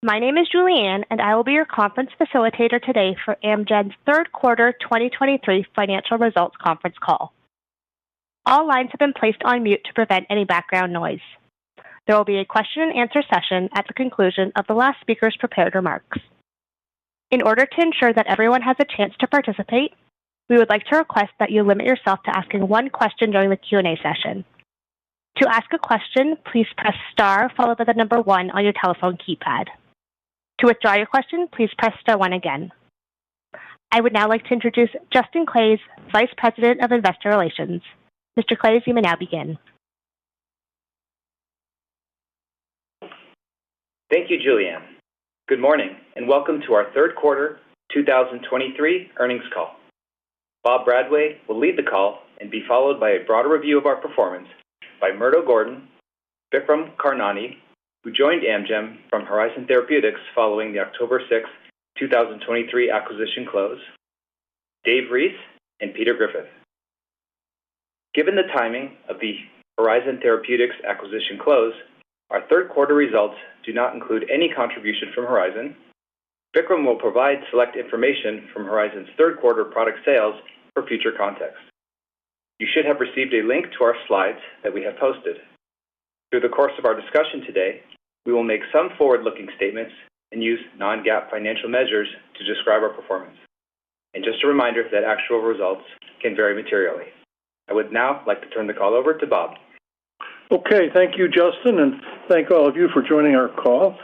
My name is Julianne, and I will be your conference facilitator today for Amgen's third quarter 2023 financial results conference call. All lines have been placed on mute to prevent any background noise. There will be a question and answer session at the conclusion of the last speaker's prepared remarks. In order to ensure that everyone has a chance to participate, we would like to request that you limit yourself to asking one question during the Q&A session. To ask a question, please press star followed by the number one on your telephone keypad. To withdraw your question, please press star one again. I would now like to introduce Justin Claeys, Vice President of Investor Relations. Mr. Claeys, you may now begin. Thank you, Julianne. Good morning, and welcome to our third quarter 2023 earnings call. Bob Bradway will lead the call and be followed by a broader review of our performance by Murdo Gordon, Vikram Karnani, who joined Amgen from Horizon Therapeutics following the October 6, 2023 acquisition close, David Reese and Peter Griffith. Given the timing of the Horizon Therapeutics acquisition close, our third quarter results do not include any contribution from Horizon. Vikram will provide select information from Horizon's third quarter product sales for future context. You should have received a link to our slides that we have posted. Through the course of our discussion today, we will make some forward-looking statements and use non-GAAP financial measures to describe our performance. Just a reminder that actual results can vary materially. I would now like to turn the call over to Robert. Okay, thank you, Justin, and thank all of you for joining our call.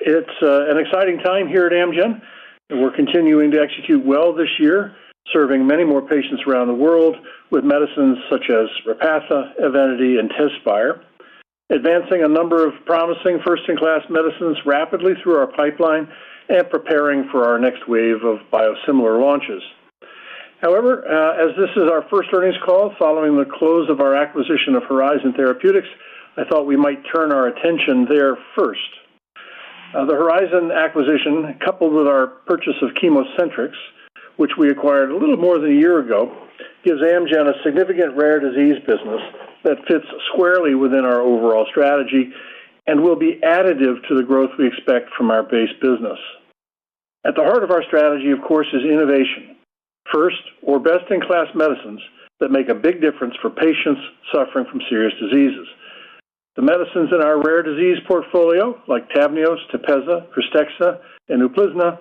It's an exciting time here at Amgen, and we're continuing to execute well this year, serving many more patients around the world with medicines such as Repatha, Evenity, and Tezspire, advancing a number of promising first-in-class medicines rapidly through our pipeline and preparing for our next wave of biosimilar launches. However, as this is our first earnings call following the close of our acquisition of Horizon Therapeutics, I thought we might turn our attention there first. The Horizon acquisition, coupled with our purchase of ChemoCentryx, which we acquired a little more than a year ago, gives Amgen a significant rare disease business that fits squarely within our overall strategy and will be additive to the growth we expect from our base business. At the heart of our strategy, of course, is innovation. First or best-in-class medicines that make a big difference for patients suffering from serious diseases. The medicines in our rare disease portfolio, like TAVNEOS, TEPEZZA, KRYSTEXXA, and Uplizna,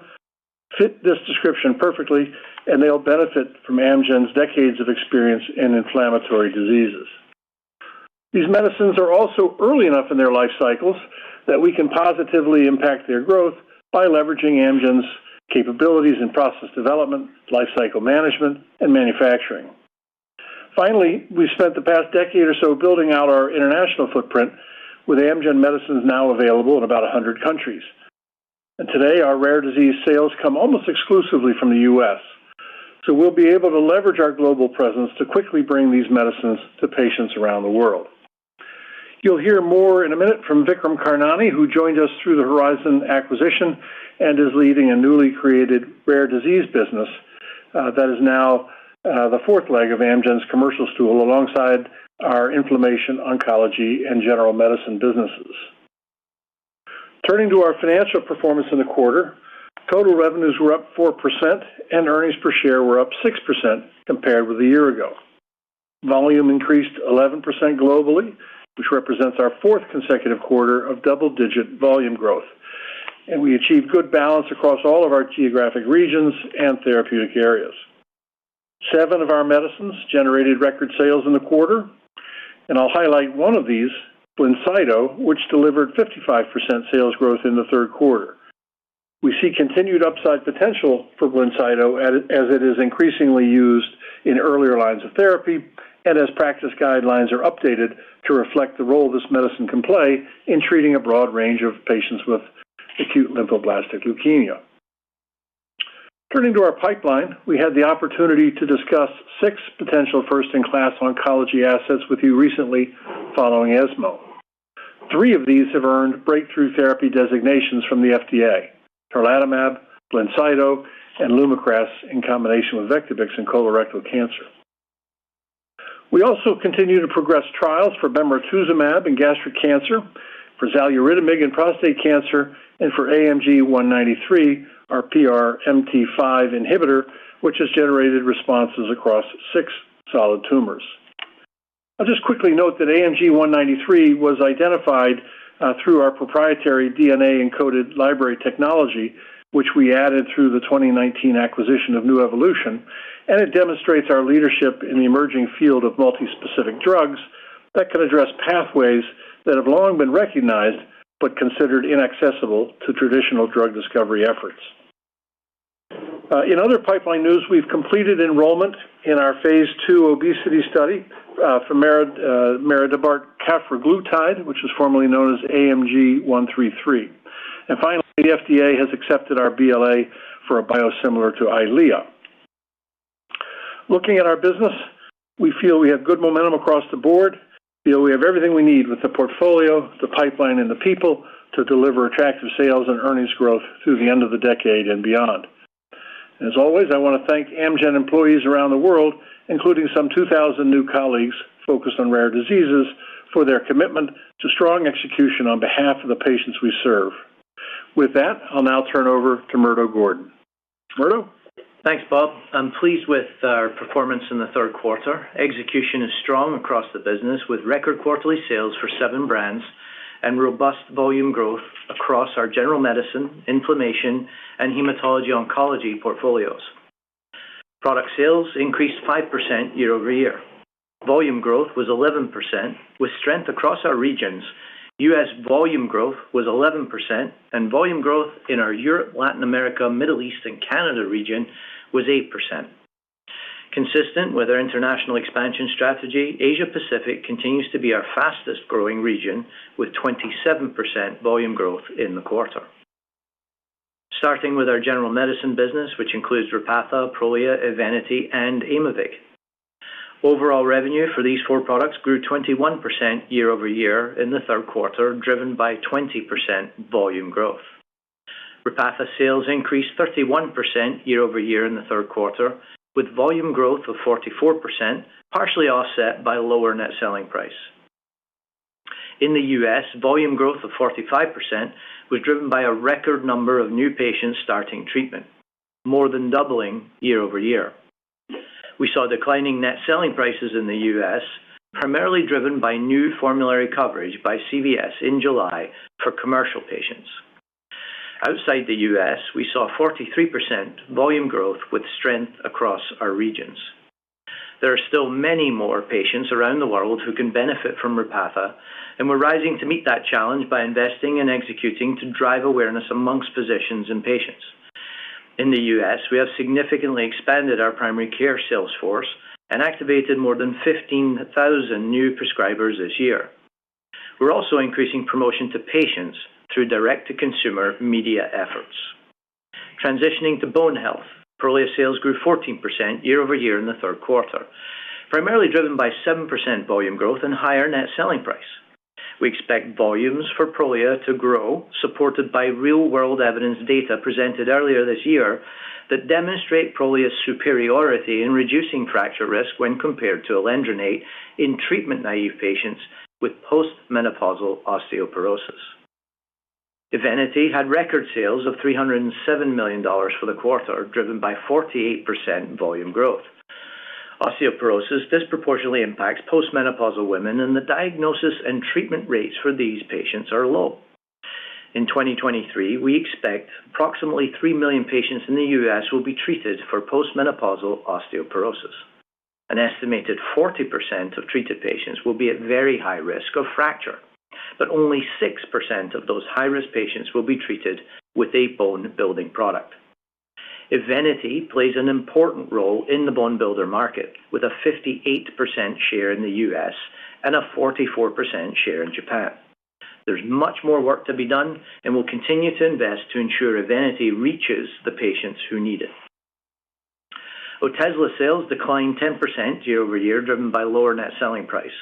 fit this description perfectly, and they'll benefit from Amgen's decades of experience in inflammatory diseases. These medicines are also early enough in their life cycles that we can positively impact their growth by leveraging Amgen's capabilities in process development, lifecycle management, and manufacturing. Finally, we've spent the past decade or so building out our international footprint with Amgen medicines now available in about 100 countries. And today, our rare disease sales come almost exclusively from the U.S., so we'll be able to leverage our global presence to quickly bring these medicines to patients around the world. You'll hear more in a minute from Vikram Karnani, who joined us through the Horizon acquisition and is leading a newly created rare disease business, that is now, the fourth leg of Amgen's commercial stool, alongside our inflammation, oncology, and general medicine businesses. Turning to our financial performance in the quarter, total revenues were up 4% and earnings per share were up 6% compared with a year ago. Volume increased 11% globally, which represents our fourth consecutive quarter of double-digit volume growth, and we achieved good balance across all of our geographic regions and therapeutic areas. Seven of our medicines generated record sales in the quarter, and I'll highlight one of these, BLINCYTO, which delivered 55% sales growth in the third quarter. We see continued upside potential for BLINCYTO as it is increasingly used in earlier lines of therapy and as practice guidelines are updated to reflect the role this medicine can play in treating a broad range of patients with acute lymphoblastic leukemia. Turning to our pipeline, we had the opportunity to discuss six potential first-in-class oncology assets with you recently following ESMO. Three of these have earned breakthrough therapy designations from the FDA, tarlatamab, BLINCYTO, and LUMAKRAS in combination with Vectibix in colorectal cancer. We also continue to progress trials for bemarituzumab in gastric cancer, for xaluritamig in prostate cancer, and for AMG 193, our PRMT5 inhibitor, which has generated responses across six solid tumors. I'll just quickly note that AMG 193 was identified through our proprietary DNA-encoded library technology, which we added through the 2019 acquisition of Nuevolution, and it demonstrates our leadership in the emerging field of multispecific drugs that can address pathways that have long been recognized but considered inaccessible to traditional drug discovery efforts. In other pipeline news, we've completed enrollment in our Phase 2 obesity study for maridebart cafraglutide, which was formerly known as AMG 133. And finally, the FDA has accepted our BLA for a biosimilar to EYLEA. Looking at our business, we feel we have good momentum across the board. We feel we have everything we need with the portfolio, the pipeline, and the people to deliver attractive sales and earnings growth through the end of the decade and beyond. As always, I want to thank Amgen employees around the world, including some 2,000 new colleagues focused on rare diseases, for their commitment to strong execution on behalf of the patients we serve. With that, I'll now turn over to Murdo Gordon. Murdo? Thanks, Robert. I'm pleased with our performance in the third quarter. Execution is strong across the business, with record quarterly sales for seven brands and robust volume growth across our general medicine, inflammation, and hematology oncology portfolios. Product sales increased 5% year-over-year. Volume growth was 11%, with strength across our regions. US volume growth was 11%, and volume growth in our Europe, Latin America, Middle East, and Canada region was 8%. Consistent with our international expansion strategy, Asia Pacific continues to be our fastest-growing region, with 27% volume growth in the quarter. Starting with our general medicine business, which includes Repatha, Prolia, Evenity, and Aimovig. Overall revenue for these four products grew 21% year-over-year in the third quarter, driven by 20% volume growth. Repatha sales increased 31% year-over-year in the third quarter, with volume growth of 44%, partially offset by lower net selling price. In the U.S., volume growth of 45% was driven by a record number of new patients starting treatment, more than doubling year-over-year. We saw declining net selling prices in the U.S., primarily driven by new formulary coverage by CVS in July for commercial patients. Outside the U.S., we saw 43% volume growth, with strength across our regions. There are still many more patients around the world who can benefit from Repatha, and we're rising to meet that challenge by investing and executing to drive awareness among physicians and patients. In the U.S., we have significantly expanded our primary care sales force and activated more than 15,000 new prescribers this year. We're also increasing promotion to patients through direct-to-consumer media efforts. Transitioning to bone health, Prolia sales grew 14% year-over-year in the third quarter, primarily driven by 7% volume growth and higher net selling price. We expect volumes for Prolia to grow, supported by real-world evidence data presented earlier this year that demonstrate Prolia's superiority in reducing fracture risk when compared to alendronate in treatment-naive patients with postmenopausal osteoporosis. Evenity had record sales of $307 million for the quarter, driven by 48% volume growth. Osteoporosis disproportionately impacts postmenopausal women, and the diagnosis and treatment rates for these patients are low. In 2023, we expect approximately 3 million patients in the U.S. will be treated for postmenopausal osteoporosis. An estimated 40% of treated patients will be at very high risk of fracture, but only 6% of those high-risk patients will be treated with a bone-building product. Evenity plays an important role in the bone builder market, with a 58% share in the U.S. and a 44% share in Japan. There's much more work to be done, and we'll continue to invest to ensure Evenity reaches the patients who need it. Otezla sales declined 10% year-over-year, driven by lower net selling price,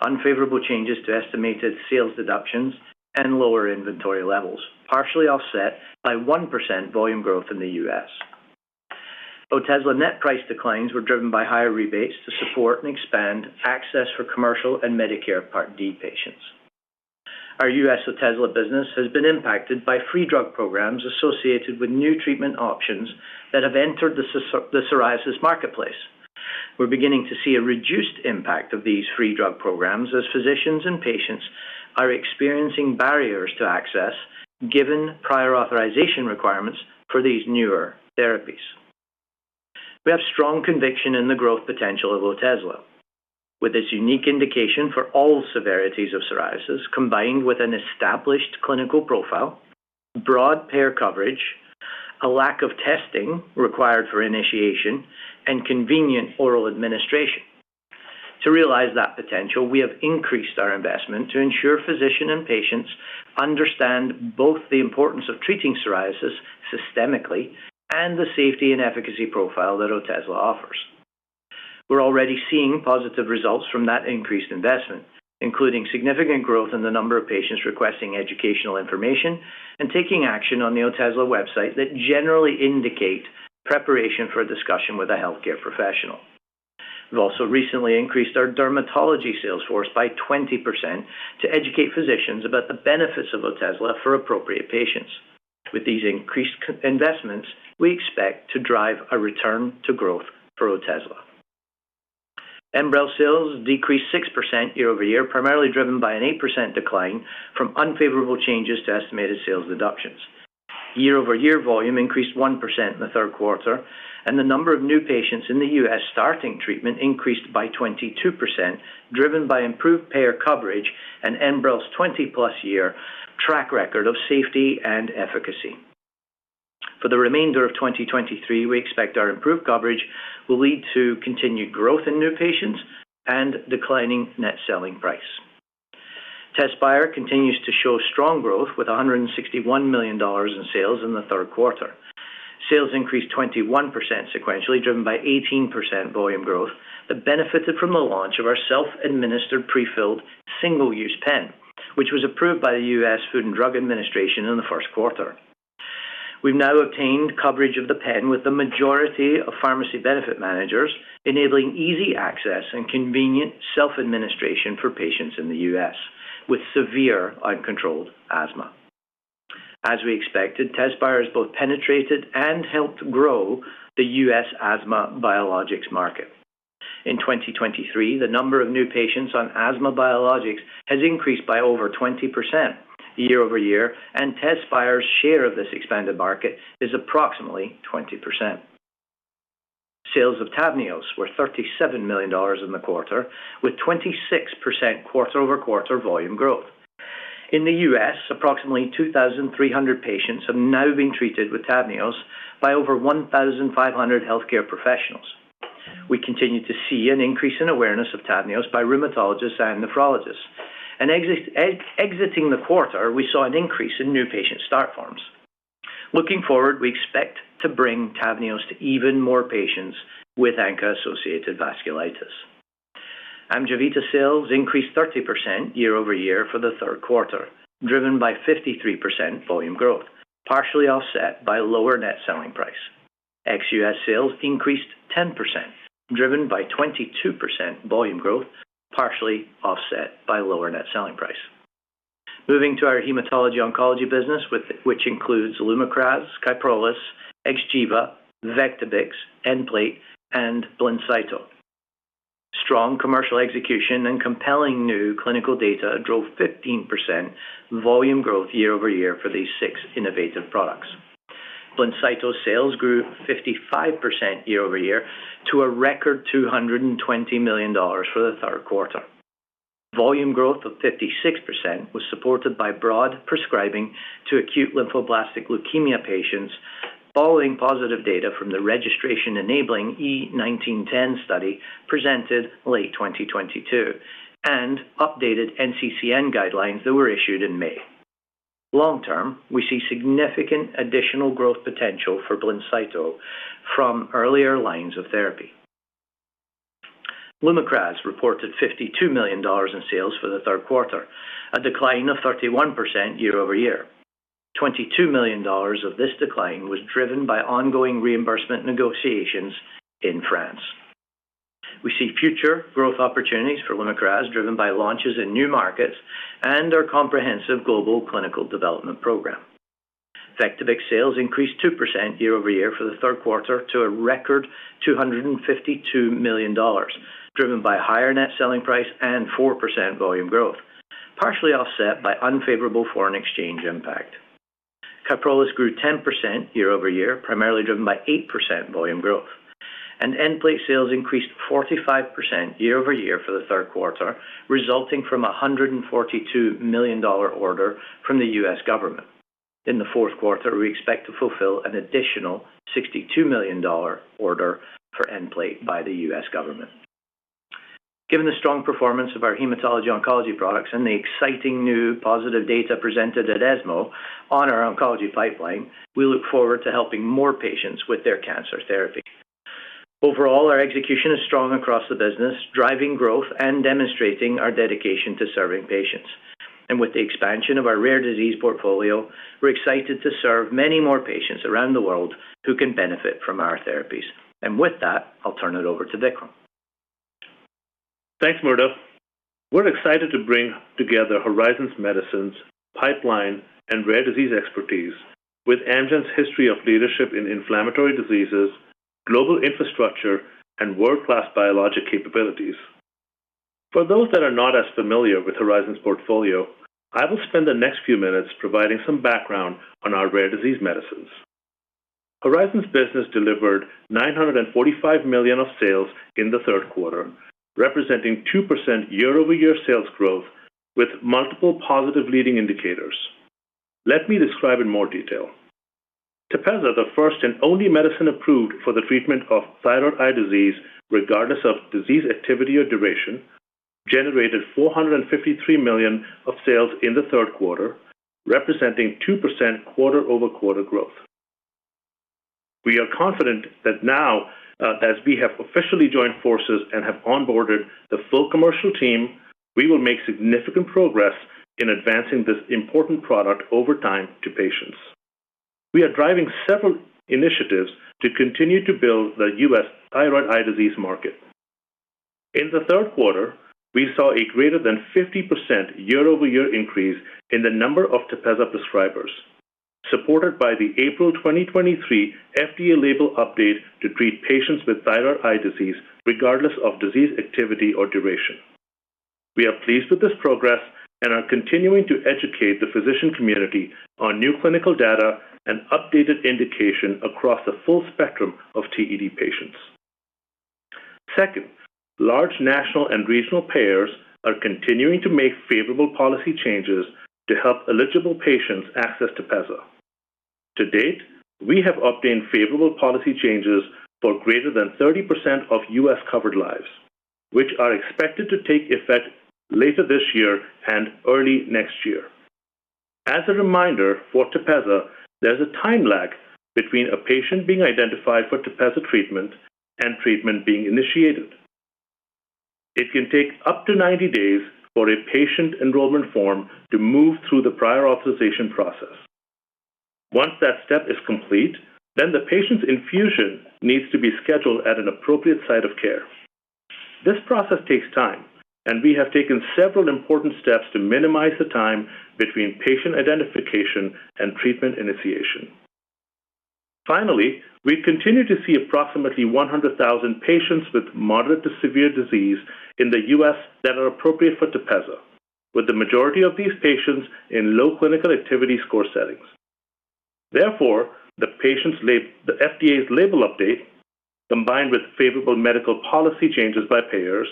unfavorable changes to estimated sales deductions, and lower inventory levels, partially offset by 1% volume growth in the US Otezla net price declines were driven by higher rebates to support and expand access for commercial and Medicare Part D patients. Our US Otezla business has been impacted by free drug programs associated with new treatment options that have entered the psoriasis marketplace. We're beginning to see a reduced impact of these free drug programs as physicians and patients are experiencing barriers to access, given prior authorization requirements for these newer therapies. We have strong conviction in the growth potential of Otezla. With its unique indication for all severities of psoriasis, combined with an established clinical profile, broad payer coverage, a lack of testing required for initiation, and convenient oral administration. To realize that potential, we have increased our investment to ensure physicians and patients understand both the importance of treating psoriasis systemically and the safety and efficacy profile that Otezla offers. We're already seeing positive results from that increased investment, including significant growth in the number of patients requesting educational information and taking action on the Otezla website that generally indicate preparation for a discussion with a healthcare professional. We've also recently increased our dermatology sales force by 20% to educate physicians about the benefits of Otezla for appropriate patients. With these increased investments, we expect to drive a return to growth for Otezla. Enbrel sales decreased 6% year-over-year, primarily driven by an 8% decline from unfavorable changes to estimated sales deductions. Year-over-year volume increased 1% in the third quarter, and the number of new patients in the U.S. starting treatment increased by 22%, driven by improved payer coverage and Enbrel's 20+ year track record of safety and efficacy. For the remainder of 2023, we expect our improved coverage will lead to continued growth in new patients and declining net selling price. Tezspire continues to show strong growth, with $161 million in sales in the third quarter. Sales increased 21% sequentially, driven by 18% volume growth that benefited from the launch of our self-administered, pre-filled, single-use pen, which was approved by the US food and drug administration in the first quarter. We've now obtained coverage of the pen with the majority of pharmacy benefit managers, enabling easy access and convenient self-administration for patients in the U.S. with severe uncontrolled asthma. As we expected, Tezspire has both penetrated and helped grow the US asthma biologics market. In 2023, the number of new patients on asthma biologics has increased by over 20% year-over-year, and Tezspire's share of this expanded market is approximately 20%. Sales of TAVNEOS were $37 million in the quarter, with 26% quarter-over-quarter volume growth. In the U.S., approximately 2,300 patients have now been treated with TAVNEOS by over 1,500 healthcare professionals. We continue to see an increase in awareness of TAVNEOS by rheumatologists and nephrologists, and exiting the quarter, we saw an increase in new patient start forms. Looking forward, we expect to bring TAVNEOS to even more patients with ANCA-associated vasculitis. AMGEVITA sales increased 30% year-over-year for the third quarter, driven by 53% volume growth, partially offset by lower net selling price. ex-US sales increased 10%, driven by 22% volume growth, partially offset by lower net selling price. Moving to our Hematology Oncology business, which includes LUMAKRAS, Kyprolis, XGEVA, Vectibix, Nplate, and BLINCYTO. Strong commercial execution and compelling new clinical data drove 15% volume growth year-over-year for these six innovative products. BLINCYTO sales grew 55% year-over-year to a record $220 million for the third quarter. Volume growth of 56% was supported by broad prescribing to acute lymphoblastic leukemia patients, following positive data from the registration-enabling E1910 study presented late 2022, and updated NCCN guidelines that were issued in May. Long term, we see significant additional growth potential for BLINCYTO from earlier lines of therapy. LUMAKRAS reported $52 million in sales for the third quarter, a decline of 31% year-over-year. $22 million of this decline was driven by ongoing reimbursement negotiations in France. We see future growth opportunities for LUMAKRAS, driven by launches in new markets and our comprehensive global clinical development program. Vectibix sales increased 2% year-over-year for the third quarter to a record $252 million, driven by higher net selling price and 4% volume growth, partially offset by unfavorable foreign exchange impact. Kyprolis grew 10% year-over-year, primarily driven by 8% volume growth, and Nplate sales increased 45% year-over-year for the third quarter, resulting from a $142 million order from the U.S. government. In the fourth quarter, we expect to fulfill an additional $62 million order for Nplate by the U.S. government. Given the strong performance of our Hematology Oncology products and the exciting new positive data presented at ESMO on our oncology pipeline, we look forward to helping more patients with their cancer therapy. Overall, our execution is strong across the business, driving growth and demonstrating our dedication to serving patients. And with the expansion of our rare disease portfolio, we're excited to serve many more patients around the world who can benefit from our therapies. And with that, I'll turn it over to Vikram. Thanks, Murdo. We're excited to bring together Horizon's medicines, pipeline, and rare disease expertise with Amgen's history of leadership in inflammatory diseases, global infrastructure, and world-class biologic capabilities. For those that are not as familiar with Horizon's portfolio, I will spend the next few minutes providing some background on our rare disease medicines. Horizon's business delivered $945 million of sales in the third quarter, representing 2% year-over-year sales growth with multiple positive leading indicators. Let me describe in more detail. TEPEZZA, the first and only medicine approved for the treatment of thyroid eye disease, regardless of disease activity or duration, generated $453 million of sales in the third quarter, representing 2% quarter-over-quarter growth. We are confident that now, as we have officially joined forces and have onboarded the full commercial team, we will make significant progress in advancing this important product over time to patients. We are driving several initiatives to continue to build the U.S. thyroid eye disease market. In the third quarter, we saw a greater than 50% year-over-year increase in the number of TEPEZZA prescribers, supported by the April 2023 FDA label update to treat patients with thyroid eye disease, regardless of disease activity or duration. We are pleased with this progress and are continuing to educate the physician community on new clinical data and updated indication across the full spectrum of TED patients. Second, large national and regional payers are continuing to make favorable policy changes to help eligible patients access TEPEZZA. To date, we have obtained favorable policy changes for greater than 30% of U.S.-covered lives, which are expected to take effect later this year and early next year. As a reminder, for Tepezza, there's a time lag between a patient being identified for Tepezza treatment and treatment being initiated. It can take up to 90 days for a patient enrollment form to move through the prior authorization process. Once that step is complete, then the patient's infusion needs to be scheduled at an appropriate site of care. This process takes time, and we have taken several important steps to minimize the time between patient identification and treatment initiation. Finally, we continue to see approximately 100,000 patients with moderate to severe disease in the U.S. that are appropriate for Tepezza, with the majority of these patients in low clinical activity score settings. Therefore, the FDA's label update, combined with favorable medical policy changes by payers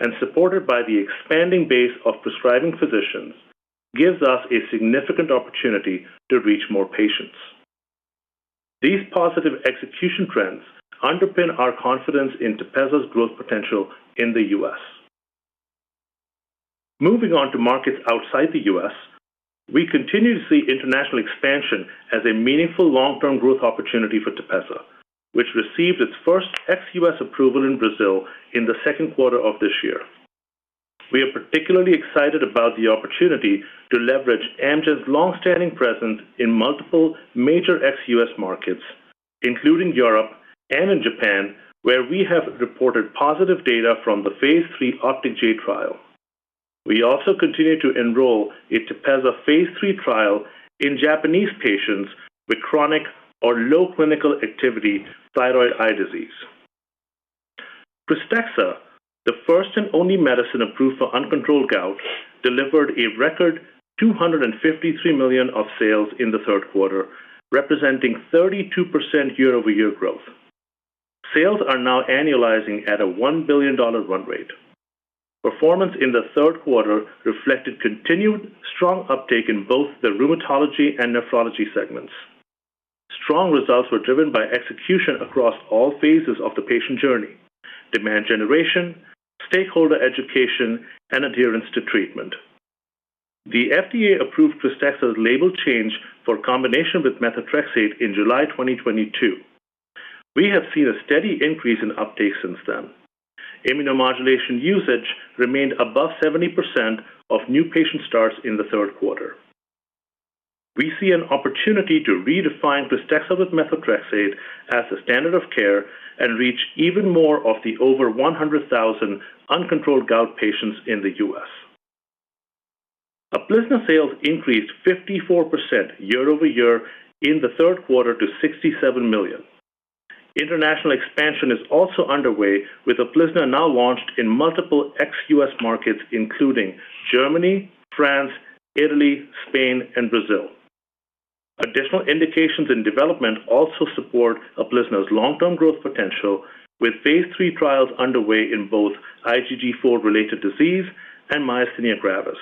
and supported by the expanding base of prescribing physicians, gives us a significant opportunity to reach more patients. These positive execution trends underpin our confidence in Tepezza's growth potential in the U.S. Moving on to markets outside the U.S., we continue to see international expansion as a meaningful long-term growth opportunity for Tepezza, which received its first ex-US approval in Brazil in the second quarter of this year. We are particularly excited about the opportunity to leverage Amgen's long-standing presence in multiple major ex-US markets, including Europe and in Japan, where we have reported positive data from the phase 3 OPTIC-J trial. We also continue to enroll a Tepezza phase III trial in Japanese patients with chronic or low clinical activity thyroid eye disease. Krystexxa, the first and only medicine approved for uncontrolled gout, delivered a record $253 million of sales in the third quarter, representing 32% year-over-year growth. Sales are now annualizing at a $1 billion run rate. Performance in the third quarter reflected continued strong uptake in both the rheumatology and nephrology segments. Strong results were driven by execution across all phases of the patient journey: demand generation, stakeholder education, and adherence to treatment. The FDA approved Krystexxa's label change for combination with methotrexate in July 2022. We have seen a steady increase in uptake since then. Immunomodulation usage remained above 70% of new patient starts in the third quarter. We see an opportunity to redefine Krystexxa with methotrexate as a standard of care and reach even more of the over 100,000 uncontrolled gout patients in the U.S. UPLIZNA sales increased 54% year-over-year in the third quarter to $67 million. International expansion is also underway, with UPLIZNA now launched in multiple ex-US markets, including Germany, France, Italy, Spain, and Brazil. Additional indications in development also support UPLIZNA's long-term growth potential, with phase 3 trials underway in both IgG4-related disease and myasthenia gravis.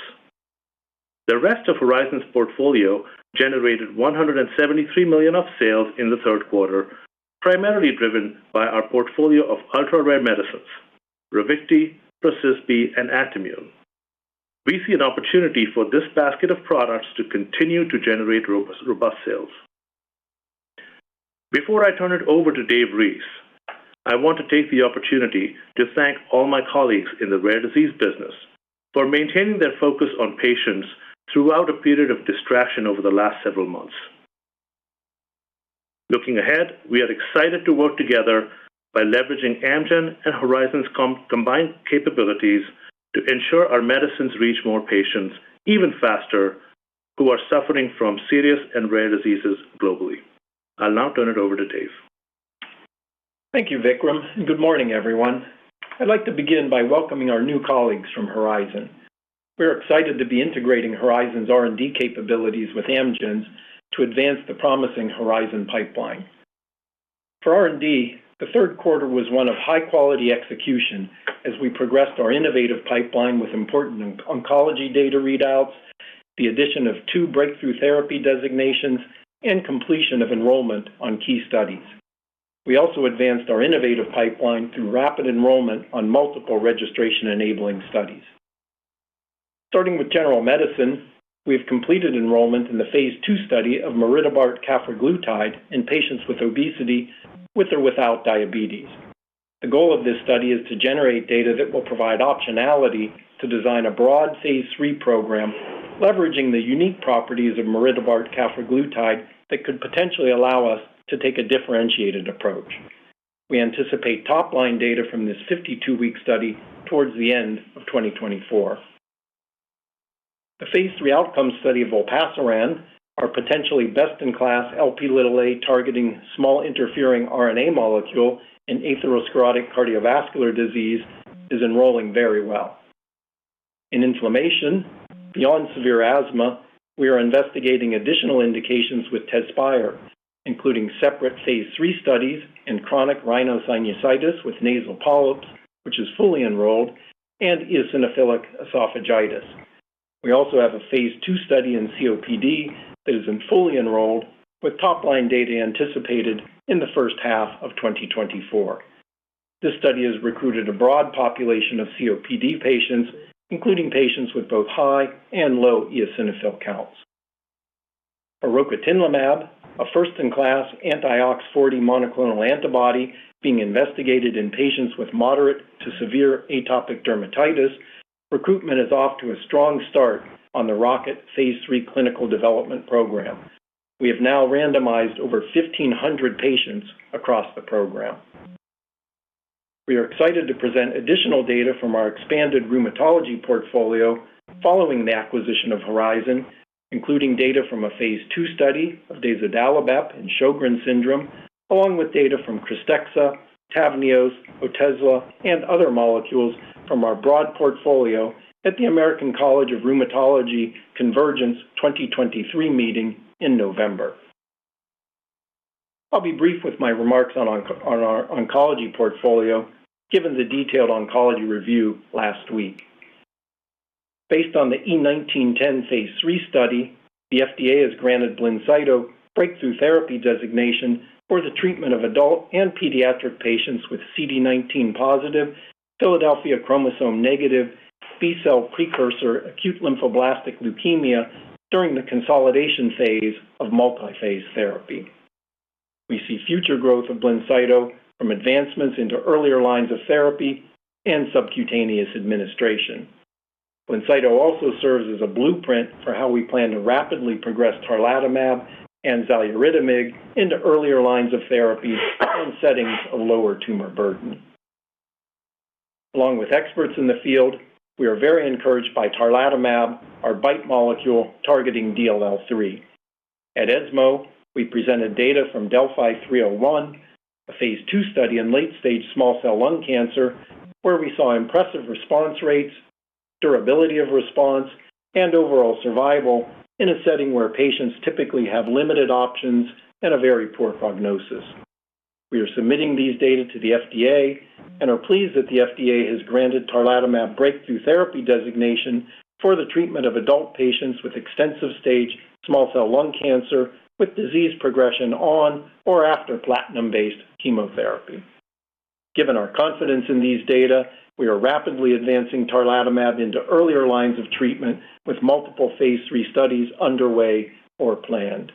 The rest of Horizon's portfolio generated $173 million of sales in the third quarter, primarily driven by our portfolio of ultra-rare medicines, RAVICTI, PROCYSBI, and ACTIMMUNE. We see an opportunity for this basket of products to continue to generate robust sales. Before I turn it over to David Reese, I want to take the opportunity to thank all my colleagues in the rare disease business for maintaining their focus on patients throughout a period of distraction over the last several months. Looking ahead, we are excited to work together by leveraging Amgen and Horizon's combined capabilities to ensure our medicines reach more patients even faster, who are suffering from serious and rare diseases globally. I'll now turn it over to David. Thank you, Vikram, and good morning, everyone. I'd like to begin by welcoming our new colleagues from Horizon. We are excited to be integrating Horizon's R&D capabilities with Amgen's to advance the promising Horizon pipeline. For R&D, the third quarter was one of high-quality execution as we progressed our innovative pipeline with important oncology data readouts, the addition of two breakthrough therapy designations, and completion of enrollment on key studies. We also advanced our innovative pipeline through rapid enrollment on multiple registration-enabling studies. Starting with general medicine, we have completed enrollment in the phase 2 study of maridebart cafraglutide in patients with obesity, with or without diabetes. The goal of this study is to generate data that will provide optionality to design a broad phase 3 program, leveraging the unique properties of maridebart cafraglutide that could potentially allow us to take a differentiated approach. We anticipate top-line data from this 52-week study towards the end of 2024. The phase 3 outcome study of olpasiran, our potentially best-in-class Lp(a) targeting small interfering RNA molecule in atherosclerotic cardiovascular disease, is enrolling very well. In inflammation, beyond severe asthma, we are investigating additional indications with Tezspire, including separate phase 3 studies in chronic rhinosinusitis with nasal polyps, which is fully enrolled, and eosinophilic esophagitis. We also have a phase 2 study in COPD that has been fully enrolled, with top-line data anticipated in the first half of 2024. This study has recruited a broad population of COPD patients, including patients with both high and low eosinophil counts. Rocatinlimab, a first-in-class anti-OX40 monoclonal antibody being investigated in patients with moderate to severe atopic dermatitis, recruitment is off to a strong start on the ROCKET phase 3 clinical development program. We have now randomized over 1,500 patients across the program. We are excited to present additional data from our expanded rheumatology portfolio following the acquisition of Horizon, including data from a phase 2 study of dazodalibep in Sjögren's syndrome, along with data from KRYSTEXXA, TAVNEOS, Otezla, and other molecules from our broad portfolio at the American College of Rheumatology Convergence 2023 meeting in November. I'll be brief with my remarks on our oncology portfolio, given the detailed oncology review last week. Based on the E1910 phase 3 study, the FDA has granted Blincyto Breakthrough Therapy Designation for the treatment of adult and pediatric patients with CD19-positive, Philadelphia chromosome negative, B-cell precursor, acute lymphoblastic leukemia during the consolidation phase of multiphase therapy. We see future growth of Blincyto from advancements into earlier lines of therapy and subcutaneous administration. BLINCYTO also serves as a blueprint for how we plan to rapidly progress tarlatamab and Xaluritamig into earlier lines of therapy in settings of lower tumor burden. Along with experts in the field, we are very encouraged by tarlatamab, our BiTE molecule targeting DLL3. At ESMO, we presented data from DeLphi-301, a phase 2 study in late-stage small cell lung cancer, where we saw impressive response rates, durability of response, and overall survival in a setting where patients typically have limited options and a very poor prognosis. We are submitting these data to the FDA and are pleased that the FDA has granted tarlatamab Breakthrough Therapy Designation for the treatment of adult patients with extensive stage small cell lung cancer, with disease progression on or after platinum-based chemotherapy. Given our confidence in these data, we are rapidly advancing tarlatamab into earlier lines of treatment, with multiple phase 3 studies underway or planned.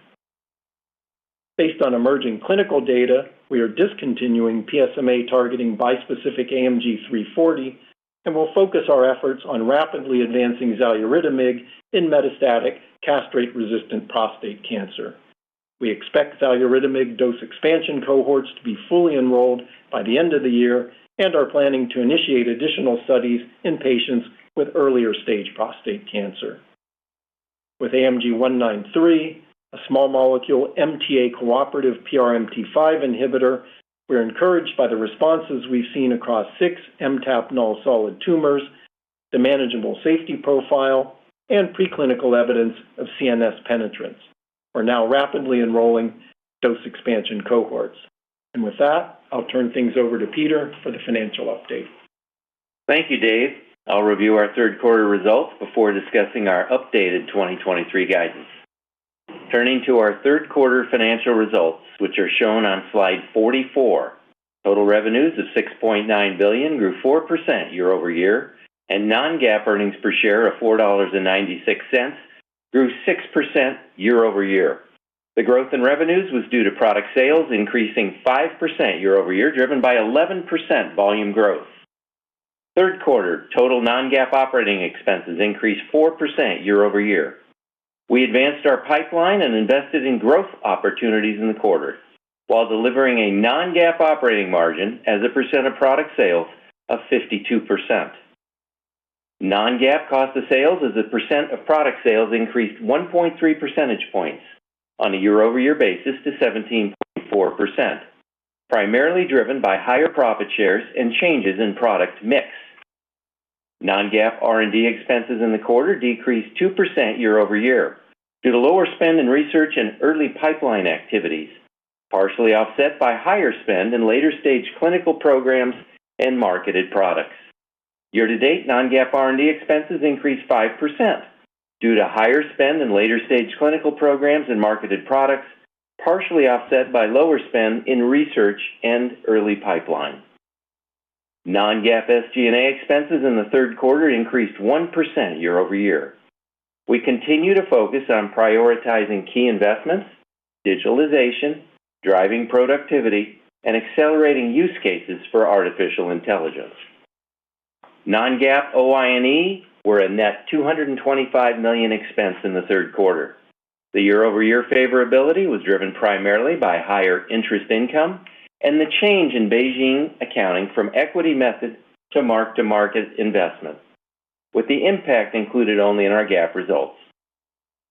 Based on emerging clinical data, we are discontinuing PSMA-targeting bispecific AMG 340, and we'll focus our efforts on rapidly advancing xaluritamig in metastatic castration-resistant prostate cancer. We expect xaluritamig dose expansion cohorts to be fully enrolled by the end of the year and are planning to initiate additional studies in patients with earlier stage prostate cancer. With AMG 193, a small molecule MTA-cooperative PRMT5 inhibitor, we're encouraged by the responses we've seen across six MTAP-null solid tumors, the manageable safety profile, and preclinical evidence of CNS penetrance. We're now rapidly enrolling dose expansion cohorts. With that, I'll turn things over to Peter for the financial update. Thank you, David. I'll review our third quarter results before discussing our updated 2023 guidance. Turning to our third quarter financial results, which are shown on slide 44, total revenues of $6.9 billion grew 4% year-over-year, and non-GAAP earnings per share of $4.96 grew 6% year-over-year. The growth in revenues was due to product sales increasing 5% year-over-year, driven by 11% volume growth. Third quarter total non-GAAP operating expenses increased 4% year-over-year. We advanced our pipeline and invested in growth opportunities in the quarter while delivering a non-GAAP operating margin as a percent of product sales of 52%. Non-GAAP cost of sales as a percent of product sales increased 1.3% points on a year-over-year basis to 17.4%, primarily driven by higher profit shares and changes in product mix. Non-GAAP R&D expenses in the quarter decreased 2% year-over-year due to lower spend in research and early pipeline activities, partially offset by higher spend in later-stage clinical programs and marketed products. Year-to-date, non-GAAP R&D expenses increased 5% due to higher spend in later-stage clinical programs and marketed products, partially offset by lower spend in research and early pipeline. Non-GAAP SG&A expenses in the third quarter increased 1% year-over-year. We continue to focus on prioritizing key investments, digitalization, driving productivity, and accelerating use cases for artificial intelligence. Non-GAAP OI&E were a net $225 million expense in the third quarter. The year-over-year favorability was driven primarily by higher interest income and the change in Beijing accounting from equity method to mark-to-market investments, with the impact included only in our GAAP results.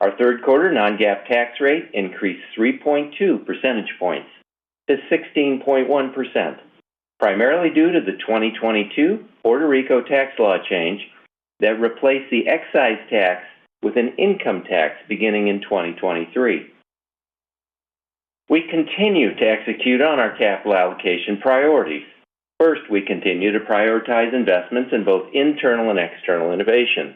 Our third quarter non-GAAP tax rate increased 3.2% points to 16.1%, primarily due to the 2022 Puerto Rico tax law change that replaced the excise tax with an income tax beginning in 2023. We continue to execute on our capital allocation priorities. First, we continue to prioritize investments in both internal and external innovation....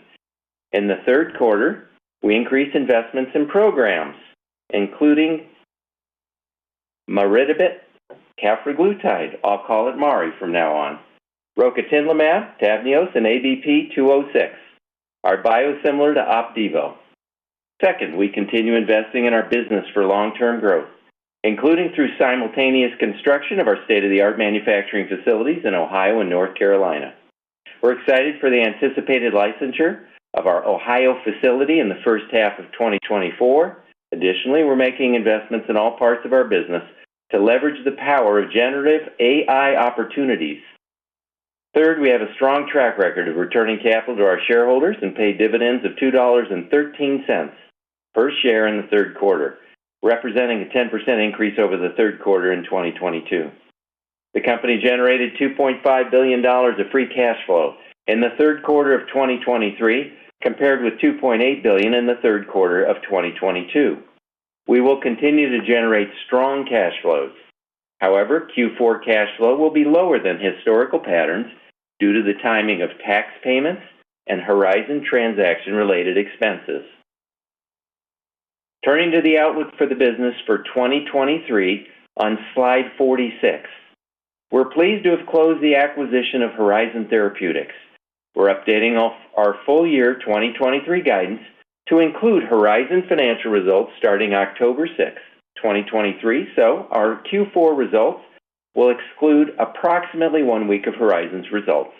In the third quarter, we increased investments in programs, including maridebart, cafraglutide, I'll call it Mari from now on. Rocatinlimab, TAVNEOS, and ABP 206, our biosimilar to Opdivo. Second, we continue investing in our business for long-term growth, including through simultaneous construction of our state-of-the-art manufacturing facilities in Ohio and North Carolina. We're excited for the anticipated licensure of our Ohio facility in the first half of 2024. Additionally, we're making investments in all parts of our business to leverage the power of generative AI opportunities. Third, we have a strong track record of returning capital to our shareholders and pay dividends of $2.13 per share in the third quarter, representing a 10% increase over the third quarter in 2022. The company generated $2.5 billion of free cash flow in the third quarter of 2023, compared with $2.8 billion in the third quarter of 2022. We will continue to generate strong cash flows. However, Q4 cash flow will be lower than historical patterns due to the timing of tax payments and Horizon transaction-related expenses. Turning to the outlook for the business for 2023 on slide 46. We're pleased to have closed the acquisition of Horizon Therapeutics. We're updating off our full year 2023 guidance to include Horizon financial results starting October 6, 2023, so our Q4 results will exclude approximately one week of Horizon's results.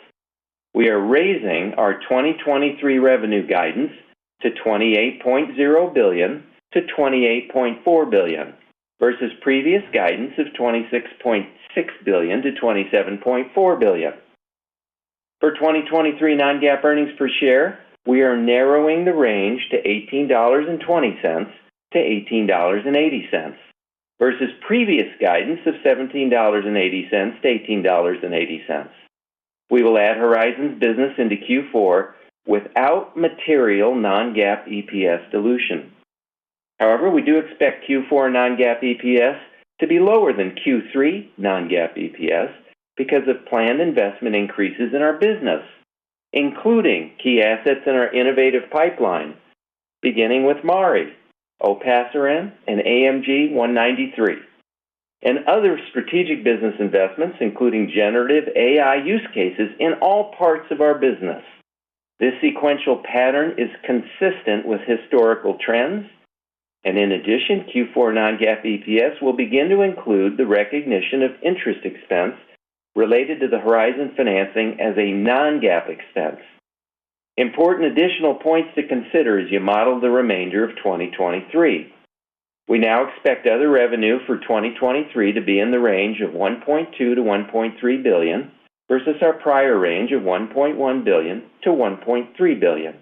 We are raising our 2023 revenue guidance to $28.0 billion-$28.4 billion versus previous guidance of $26.6 billion-$27.4 billion. For 2023 non-GAAP earnings per share, we are narrowing the range to $18.20-$18.80 versus previous guidance of $17.80-$18.80. We will add Horizon's business into Q4 without material non-GAAP EPS dilution. However, we do expect Q4 non-GAAP EPS to be lower than Q3 non-GAAP EPS because of planned investment increases in our business, including key assets in our innovative pipeline, beginning with MariTide, olpasiran, and AMG 193, and other strategic business investments, including generative AI use cases in all parts of our business. This sequential pattern is consistent with historical trends, and in addition, Q4 non-GAAP EPS will begin to include the recognition of interest expense related to the Horizon financing as a non-GAAP expense. Important additional points to consider as you model the remainder of 2023. We now expect other revenue for 2023 to be in the range of $1.2 billion-$1.3 billion, versus our prior range of $1.1 billion-$1.3 billion.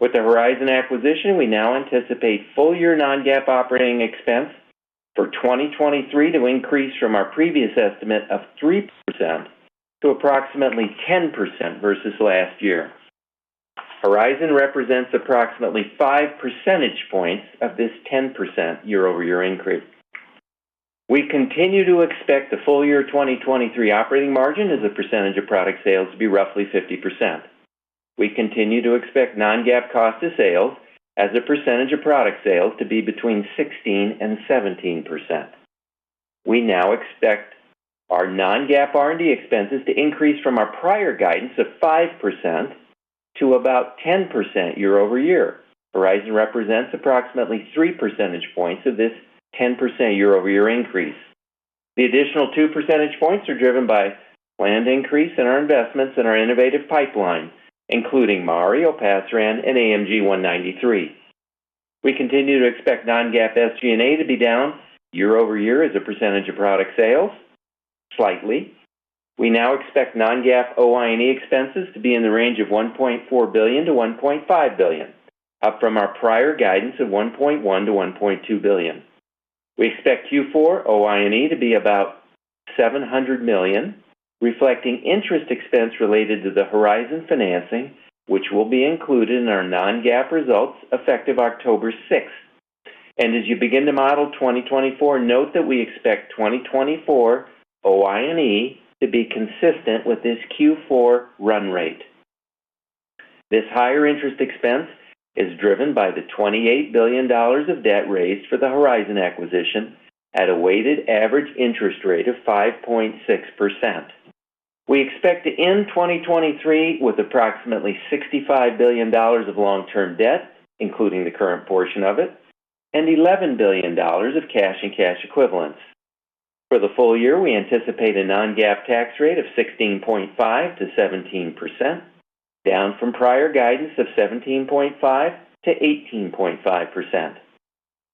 With the Horizon acquisition, we now anticipate full-year non-GAAP operating expense for 2023 to increase from our previous estimate of 3% to approximately 10% versus last year. Horizon represents approximately 5% points of this 10% year-over-year increase. We continue to expect the full-year 2023 operating margin as a percentage of product sales to be roughly 50%. We continue to expect non-GAAP cost of sales as a percentage of product sales to be between 16% and 17%. We now expect our non-GAAP R&D expenses to increase from our prior guidance of 5% to about 10% year-over-year. Horizon represents approximately 3% points of this 10% year-over-year increase. The additional 2% points are driven by planned increase in our investments in our innovative pipeline, including Mari, olpasiran, and AMG-193. We continue to expect non-GAAP SG&A to be down year-over-year as a percentage of product sales, slightly. We now expect non-GAAP OI&E expenses to be in the range of $1.4 billion-$1.5 billion, up from our prior guidance of $1.1 billion-$1.2 billion. We expect Q4 OI&E to be about $700 million, reflecting interest expense related to the Horizon financing, which will be included in our non-GAAP results effective October sixth. And as you begin to model 2024, note that we expect 2024 OI&E to be consistent with this Q4 run rate. This higher interest expense is driven by the $28 billion of debt raised for the Horizon acquisition at a weighted average interest rate of 5.6%. We expect to end 2023 with approximately $65 billion of long-term debt, including the current portion of it, and $11 billion of cash and cash equivalents. For the full year, we anticipate a non-GAAP tax rate of 16.5%-17%, down from prior guidance of 17.5%-18.5%.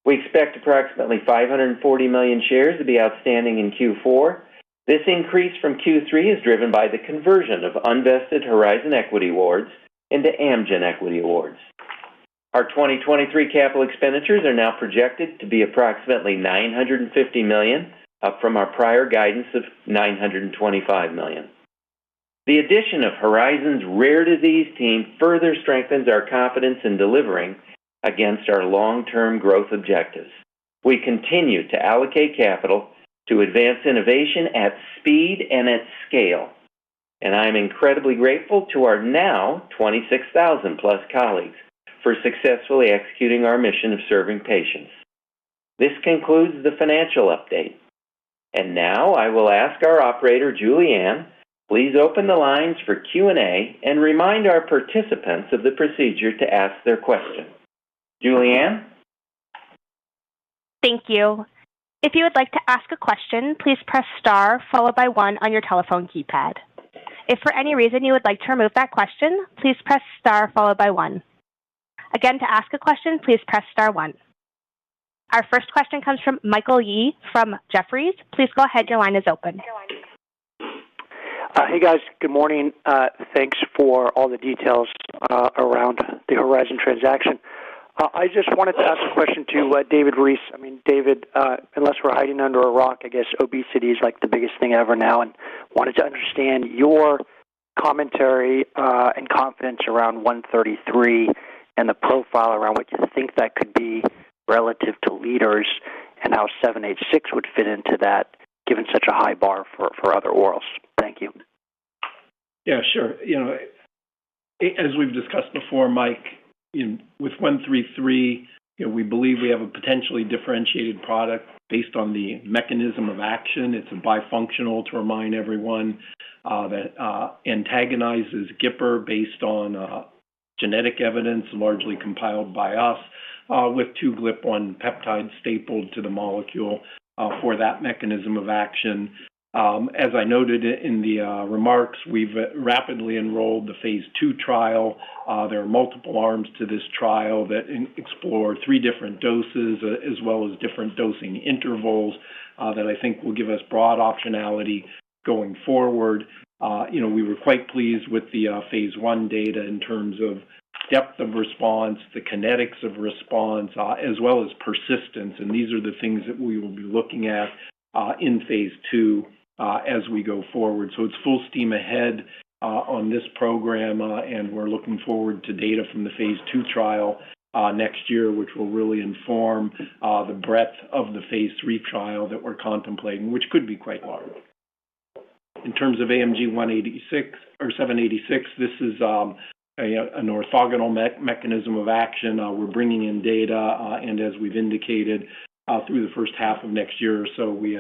We expect approximately 540 million shares to be outstanding in Q4. This increase from Q3 is driven by the conversion of unvested Horizon equity awards into Amgen equity awards. Our 2023 capital expenditures are now projected to be approximately $950 million, up from our prior guidance of $925 million. The addition of Horizon's rare disease team further strengthens our confidence in delivering-... against our long-term growth objectives. We continue to allocate capital to advance innovation at speed and at scale, and I'm incredibly grateful to our now 26,000+ colleagues for successfully executing our mission of serving patients. This concludes the financial update. Now I will ask our operator, Julianne, please open the lines for Q&A and remind our participants of the procedure to ask their question. Julianne? Thank you. If you would like to ask a question, please press star, followed by one on your telephone keypad. If for any reason you would like to remove that question, please press star followed by one. Again, to ask a question, please press star one. Our first question comes from Michael Yee from Jefferies. Please go ahead. Your line is open. Hey, guys. Good morning. Thanks for all the details around the Horizon transaction. I just wanted to ask a question to David Reese. I mean, David, unless we're hiding under a rock, I guess obesity is, like, the biggest thing ever now, and wanted to understand your commentary and confidence around 133 and the profile around what you think that could be relative to leaders and how 786 would fit into that, given such a high bar for other orals. Thank you. Yeah, sure. You know, as we've discussed before, Michael, in with 133, you know, we believe we have a potentially differentiated product based on the mechanism of action. It's a bifunctional, to remind everyone, that antagonizes GIPR based on genetic evidence, largely compiled by us, with two GLP-1 peptides stapled to the molecule for that mechanism of action. As I noted in the remarks, we've rapidly enrolled the phase 2 trial. There are multiple arms to this trial that explore three different doses, as well as different dosing intervals, that I think will give us broad optionality going forward. You know, we were quite pleased with the phase 1 data in terms of depth of response, the kinetics of response, as well as persistence, and these are the things that we will be looking at in phase 2 as we go forward. So it's full steam ahead on this program, and we're looking forward to data from the phase 2 trial next year, which will really inform the breadth of the phase 3 trial that we're contemplating, which could be quite large. In terms of AMG 186 or 786, this is an orthogonal mechanism of action. We're bringing in data, and as we've indicated through the first half of next year or so, we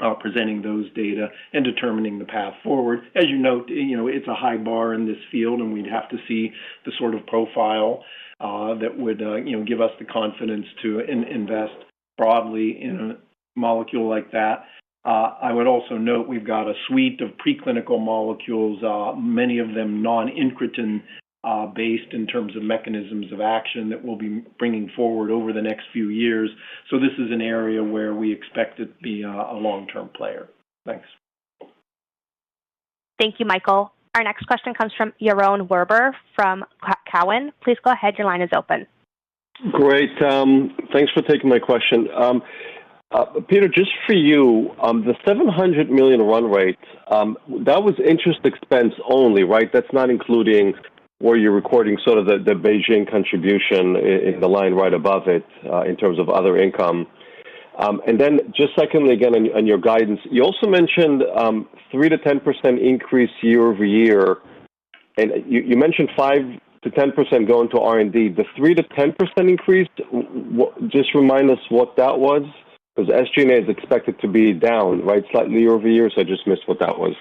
anticipate presenting those data and determining the path forward. As you note, you know, it's a high bar in this field, and we'd have to see the sort of profile that would, you know, give us the confidence to invest broadly in a molecule like that. I would also note we've got a suite of preclinical molecules, many of them non-incretin based in terms of mechanisms of action, that we'll be bringing forward over the next few years. So this is an area where we expect to be a long-term player. Thanks. Thank you, Michael. Our next question comes from Yaron Werber, from Cowen. Please go ahead. Your line is open. Great, thanks for taking my question. Peter, just for you, the $700 million run rate, that was interest expense only, right? That's not including where you're recording sort of the Beijing contribution in the line right above it, in terms of other income. And then just secondly, again, on your guidance, you also mentioned 3%-10% increase year-over-year, and you mentioned 5%-10% going to R&D. The 3%-10% increase, what... Just remind us what that was, because SG&A is expected to be down, right, slightly over years. I just missed what that was.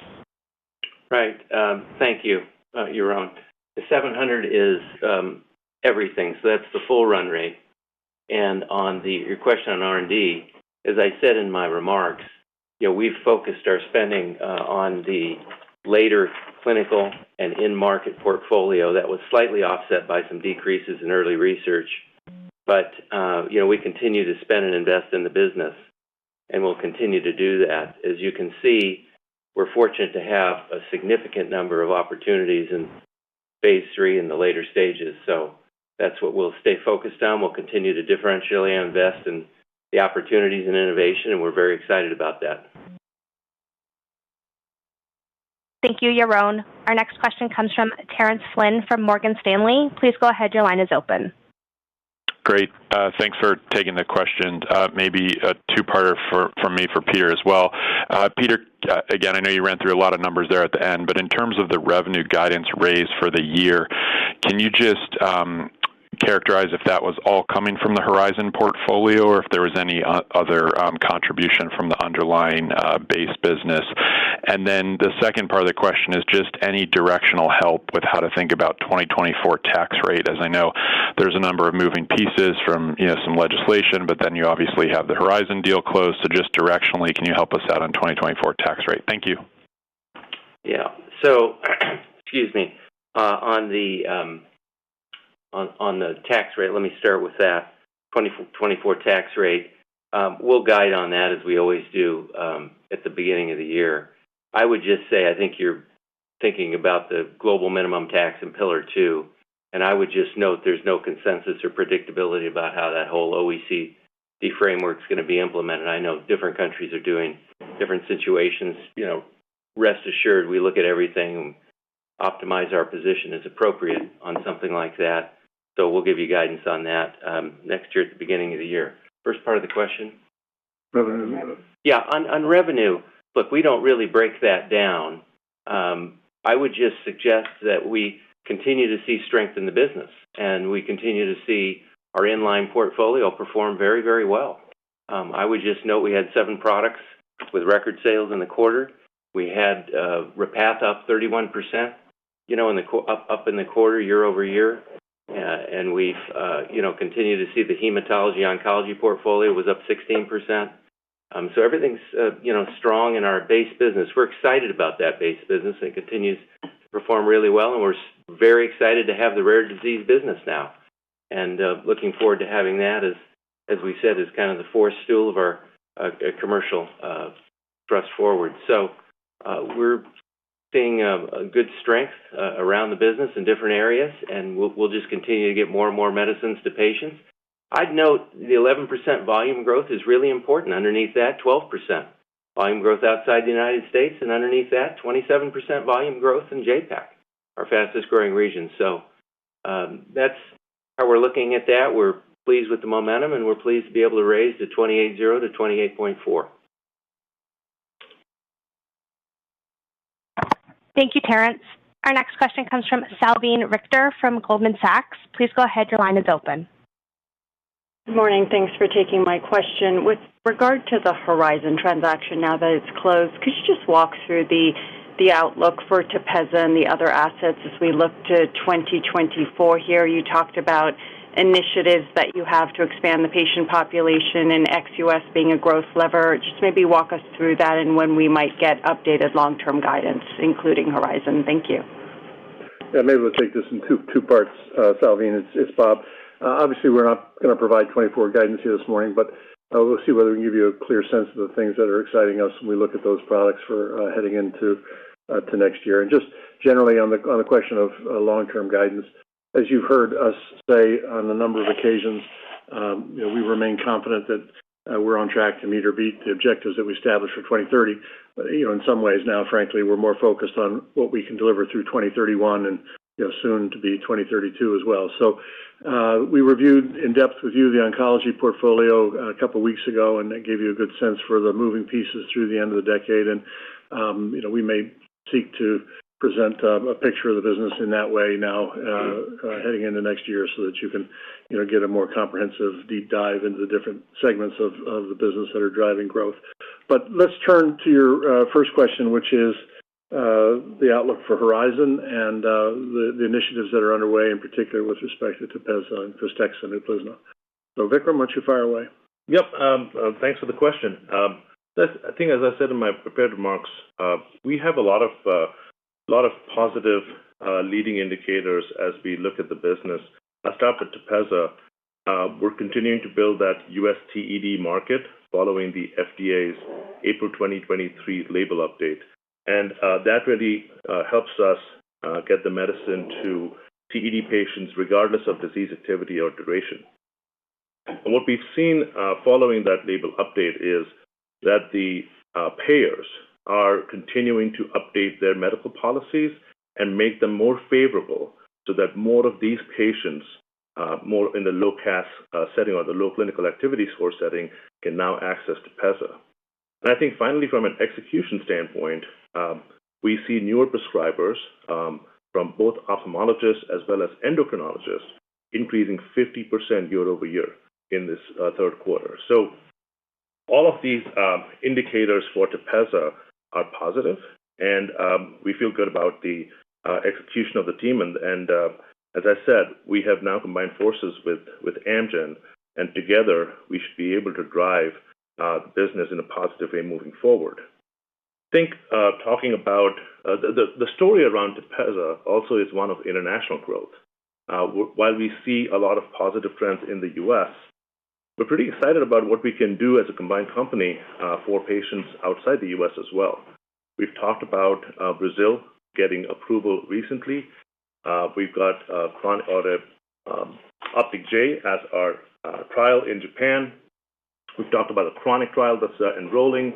Right. Thank you, Yaron. The $700 is everything, so that's the full run rate. On your question on R&D, as I said in my remarks, you know, we've focused our spending on the later clinical and in-market portfolio that was slightly offset by some decreases in early research. But you know, we continue to spend and invest in the business, and we'll continue to do that. As you can see, we're fortunate to have a significant number of opportunities in phase 3 in the later stages, so that's what we'll stay focused on. We'll continue to differentially invest in the opportunities and innovation, and we're very excited about that. Thank you, Yaron. Our next question comes from Terrence Flynn from Morgan Stanley. Please go ahead. Your line is open. Great, thanks for taking the question. Maybe a two-parter from me for Peter as well. Peter, again, I know you ran through a lot of numbers there at the end, but in terms of the revenue guidance raised for the year, can you just characterize if that was all coming from the Horizon portfolio, or if there was any other contribution from the underlying base business? And then the second part of the question is just any directional help with how to think about 2024 tax rate, as I know there's a number of moving pieces from, you know, some legislation, but then you obviously have the Horizon deal closed. So just directionally, can you help us out on 2024 tax rate? Thank you. Yeah. So, excuse me, on the tax rate, let me start with that. 2024 tax rate, we'll guide on that as we always do, at the beginning of the year. I would just say, I think you're thinking about the global minimum tax in pillar 2, and I would just note there's no consensus or predictability about how that whole OECD framework's gonna be implemented. I know different countries are doing different situations, you know-... Rest assured, we look at everything and optimize our position as appropriate on something like that. So we'll give you guidance on that, next year at the beginning of the year. First part of the question? Revenue. Yeah, on revenue, look, we don't really break that down. I would just suggest that we continue to see strength in the business, and we continue to see our in-line portfolio perform very, very well. I would just note we had seven products with record sales in the quarter. We had Repatha up 31%, you know, in the quarter, year-over-year. And we've, you know, continued to see the hematology oncology portfolio was up 16%. So everything's, you know, strong in our base business. We're excited about that base business. It continues to perform really well, and we're very excited to have the rare disease business now. And looking forward to having that, as we said, is kind of the fourth stool of our commercial thrust forward. We're seeing a good strength around the business in different areas, and we'll just continue to get more and more medicines to patients. I'd note the 11% volume growth is really important. Underneath that, 12% volume growth outside the United States, and underneath that, 27% volume growth in JAPAC, our fastest growing region. That's how we're looking at that. We're pleased with the momentum, and we're pleased to be able to raise the 28.0- 28.4. Thank you, Terrence. Our next question comes from Salveen Richter from Goldman Sachs. Please go ahead. Your line is open. Good morning. Thanks for taking my question. With regard to the Horizon transaction, now that it's closed, could you just walk through the outlook for Tepezza and the other assets as we look to 2024 here? You talked about initiatives that you have to expand the patient population and ex-US being a growth lever. Just maybe walk us through that and when we might get updated long-term guidance, including Horizon. Thank you. Yeah, maybe we'll take this in two parts, Salveen. It's Robert. Obviously, we're not gonna provide 2024 guidance here this morning, but we'll see whether we can give you a clear sense of the things that are exciting us when we look at those products for heading into to next year. And just generally, on the question of long-term guidance, as you've heard us say on a number of occasions, you know, we remain confident that we're on track to meet or beat the objectives that we established for 2030. But, you know, in some ways now, frankly, we're more focused on what we can deliver through 2031 and, you know, soon to be 2032 as well. So, we reviewed in depth the oncology portfolio a couple of weeks ago, and that gave you a good sense for the moving pieces through the end of the decade. And, you know, we may seek to present a picture of the business in that way now, heading into next year so that you can, you know, get a more comprehensive, deep dive into the different segments of the business that are driving growth. But let's turn to your first question, which is the outlook for Horizon and the initiatives that are underway, in particular, with respect to Tepezza and Krystexxa and Uplizna. So, Vikram, why don't you fire away? Yep, thanks for the question. I think as I said in my prepared remarks, we have a lot of, lot of positive, leading indicators as we look at the business. I'll start with Tepezza. We're continuing to build that US TED market following the FDA's April 2023 label update, and that really helps us get the medicine to TED patients, regardless of disease activity or duration. What we've seen following that label update is that the payers are continuing to update their medical policies and make them more favorable so that more of these patients, more in the low CAS setting or the low clinical activity score setting, can now access Tepezza. I think finally, from an execution standpoint, we see newer prescribers from both ophthalmologists as well as endocrinologists, increasing 50% year-over-year in this third quarter. So all of these indicators for Tepezza are positive, and we feel good about the execution of the team. And as I said, we have now combined forces with Amgen, and together, we should be able to drive the business in a positive way moving forward. I think talking about the story around Tepezza also is one of international growth. While we see a lot of positive trends in the U.S., we're pretty excited about what we can do as a combined company for patients outside the U.S. as well. We've talked about Brazil getting approval recently. We've got chronic or OPTIC-J as our trial in Japan. We've talked about a chronic trial that's enrolling.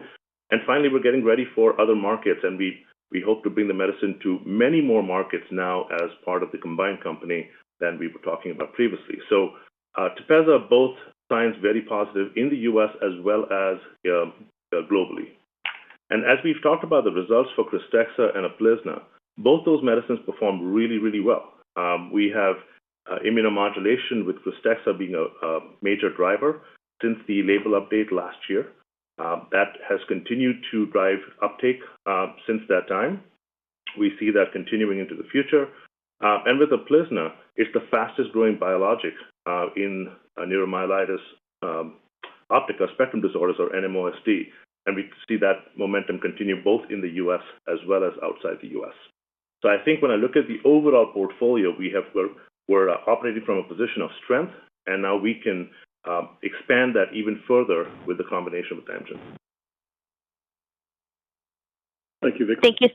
Finally, we're getting ready for other markets, and we hope to bring the medicine to many more markets now as part of the combined company than we were talking about previously. So, TEPEZZA both signs very positive in the U.S. as well as globally. And as we've talked about the results for KRYSTEXXA and UPLIZNA, both those medicines perform really, really well. We have immunomodulation, with KRYSTEXXA being a major driver since the label update last year. That has continued to drive uptake since that time. We see that continuing into the future. With UPLIZNA, it's the fastest-growing biologics in neuromyelitis optica spectrum disorders or NMOSD, and we see that momentum continue both in the U.S. as well as outside the U.S. So I think when I look at the overall portfolio, we have, we're operating from a position of strength, and now we can expand that even further with the combination with Amgen. Thank you, Vikram. Thank you.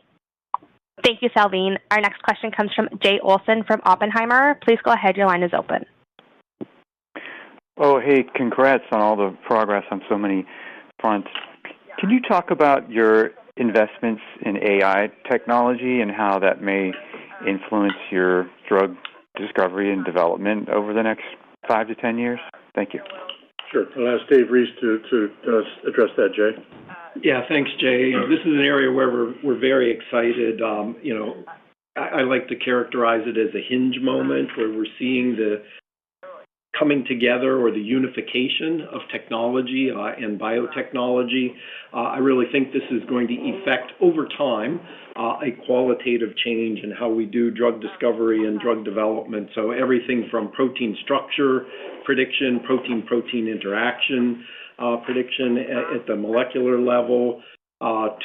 Thank you, Salveen. Our next question comes from Jay Olson from Oppenheimer. Please go ahead. Your line is open. ... Oh, hey, congrats on all the progress on so many fronts. Can you talk about your investments in AI technology and how that may influence your drug discovery and development over the next 5-10 years? Thank you. Sure. I'll ask David Reese to address that, Jay. Yeah, thanks, Jay. This is an area where we're very excited. You know, I like to characterize it as a hinge moment, where we're seeing the coming together or the unification of technology and biotechnology. I really think this is going to affect, over time, a qualitative change in how we do drug discovery and drug development. So everything from protein structure prediction, protein-protein interaction prediction at the molecular level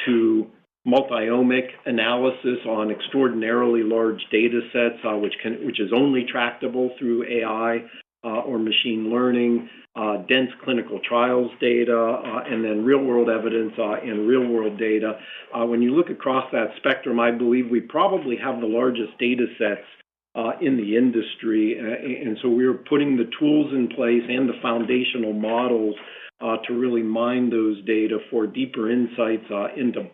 to multi-omic analysis on extraordinarily large data sets, which is only tractable through AI or machine learning, dense clinical trials data, and then real-world evidence and real-world data. When you look across that spectrum, I believe we probably have the largest data sets in the industry. And so we're putting the tools in place and the foundational models to really mine those data for deeper insights into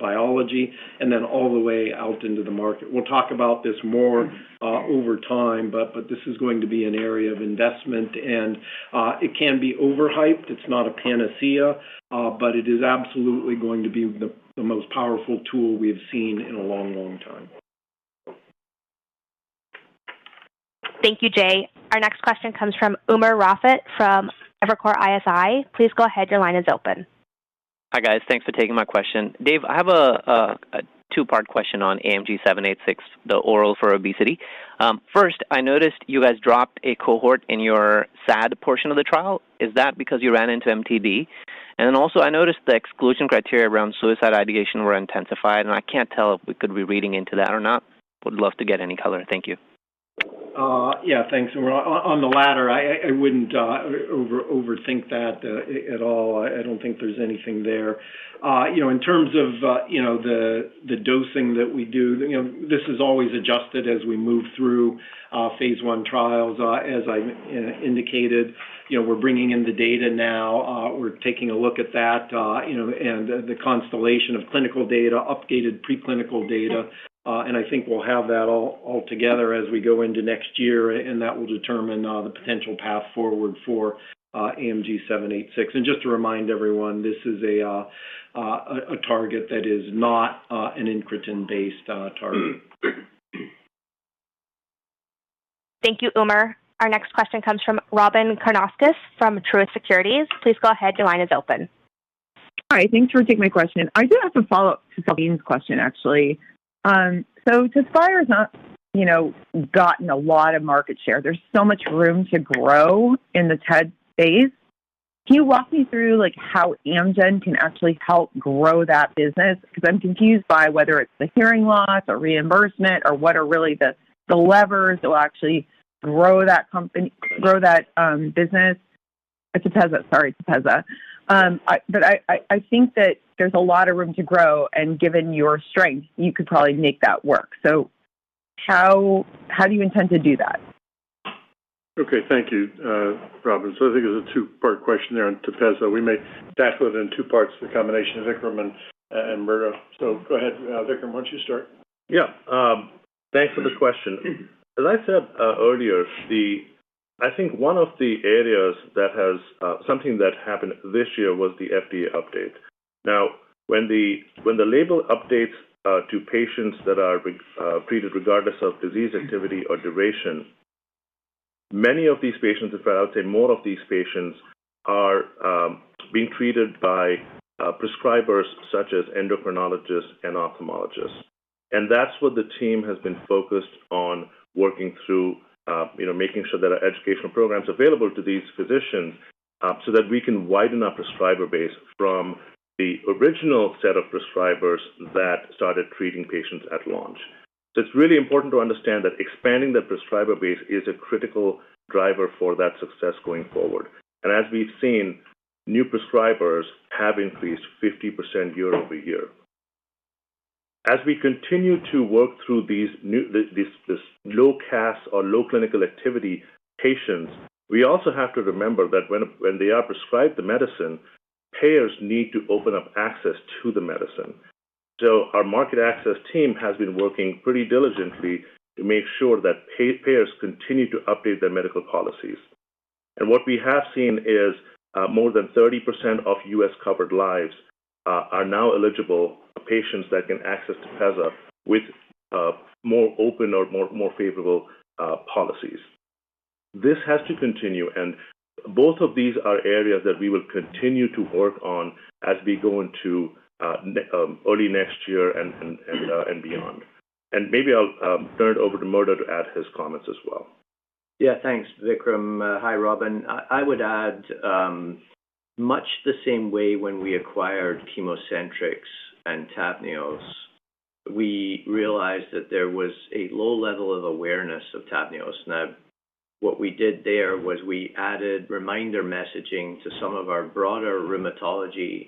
biology and then all the way out into the market. We'll talk about this more over time, but this is going to be an area of investment, and it can be overhyped. It's not a panacea, but it is absolutely going to be the most powerful tool we have seen in a long, long time. Thank you, Jay. Our next question comes from Umar Rafiq from Evercore ISI. Please go ahead. Your line is open. Hi, guys. Thanks for taking my question. David, I have a two-part question on AMG 786, the oral for obesity. First, I noticed you guys dropped a cohort in your SAD portion of the trial. Is that because you ran into MTD? And then also, I noticed the exclusion criteria around suicide ideation were intensified, and I can't tell if we could be reading into that or not. Would love to get any color. Thank you. Yeah, thanks, Umar. On the latter, I wouldn't overthink that at all. I don't think there's anything there. You know, in terms of, you know, the dosing that we do, you know, this is always adjusted as we move through phase 1 trials. As I indicated, you know, we're bringing in the data now. We're taking a look at that, you know, and the constellation of clinical data, updated preclinical data, and I think we'll have that all together as we go into next year, and that will determine the potential path forward for AMG 786. And just to remind everyone, this is a target that is not an incretin-based target. Thank you, Umar. Our next question comes from Robyn Karnauskas from Truist Securities. Please go ahead. Your line is open. Hi, thanks for taking my question. I do have a follow-up to Salveen's question, actually. So Tepezza has not, you know, gotten a lot of market share. There's so much room to grow in the TED space. Can you walk me through, like, how Amgen can actually help grow that business? Because I'm confused by whether it's the hearing loss or reimbursement or what are really the levers that will actually grow that company, grow that business. Tepezza, sorry, Tepezza. But I think that there's a lot of room to grow, and given your strength, you could probably make that work. So how do you intend to do that? Okay, thank you, Robyn. So I think it's a two-part question there on Tepezza. We may tackle it in two parts, the combination of Vikram and Murdo. So go ahead, Vikram, why don't you start? Yeah, thanks for the question. As I said earlier, I think one of the areas that has something that happened this year was the FDA update. Now, when the label updates to patients that are treated regardless of disease activity or duration, many of these patients, in fact, I would say more of these patients are being treated by prescribers such as endocrinologists and ophthalmologists. And that's what the team has been focused on working through, you know, making sure there are educational programs available to these physicians, so that we can widen our prescriber base from the original set of prescribers that started treating patients at launch. So it's really important to understand that expanding the prescriber base is a critical driver for that success going forward. As we've seen, new prescribers have increased 50% year-over-year. As we continue to work through these new low CAS or low clinical activity patients, we also have to remember that when they are prescribed the medicine, payers need to open up access to the medicine. Our market access team has been working pretty diligently to make sure that payers continue to update their medical policies. What we have seen is more than 30% of U.S.-covered lives are now eligible for patients that can access Tepezza with more open or more favorable policies. This has to continue, and both of these are areas that we will continue to work on as we go into early next year and beyond. Maybe I'll turn it over to Murdo to add his comments as well. Yeah, thanks, Vikram. Hi, Robyn. I would add much the same way when we acquired ChemoCentryx and TAVNEOS, we realized that there was a low level of awareness of TAVNEOS. Now, what we did there was we added reminder messaging to some of our broader rheumatology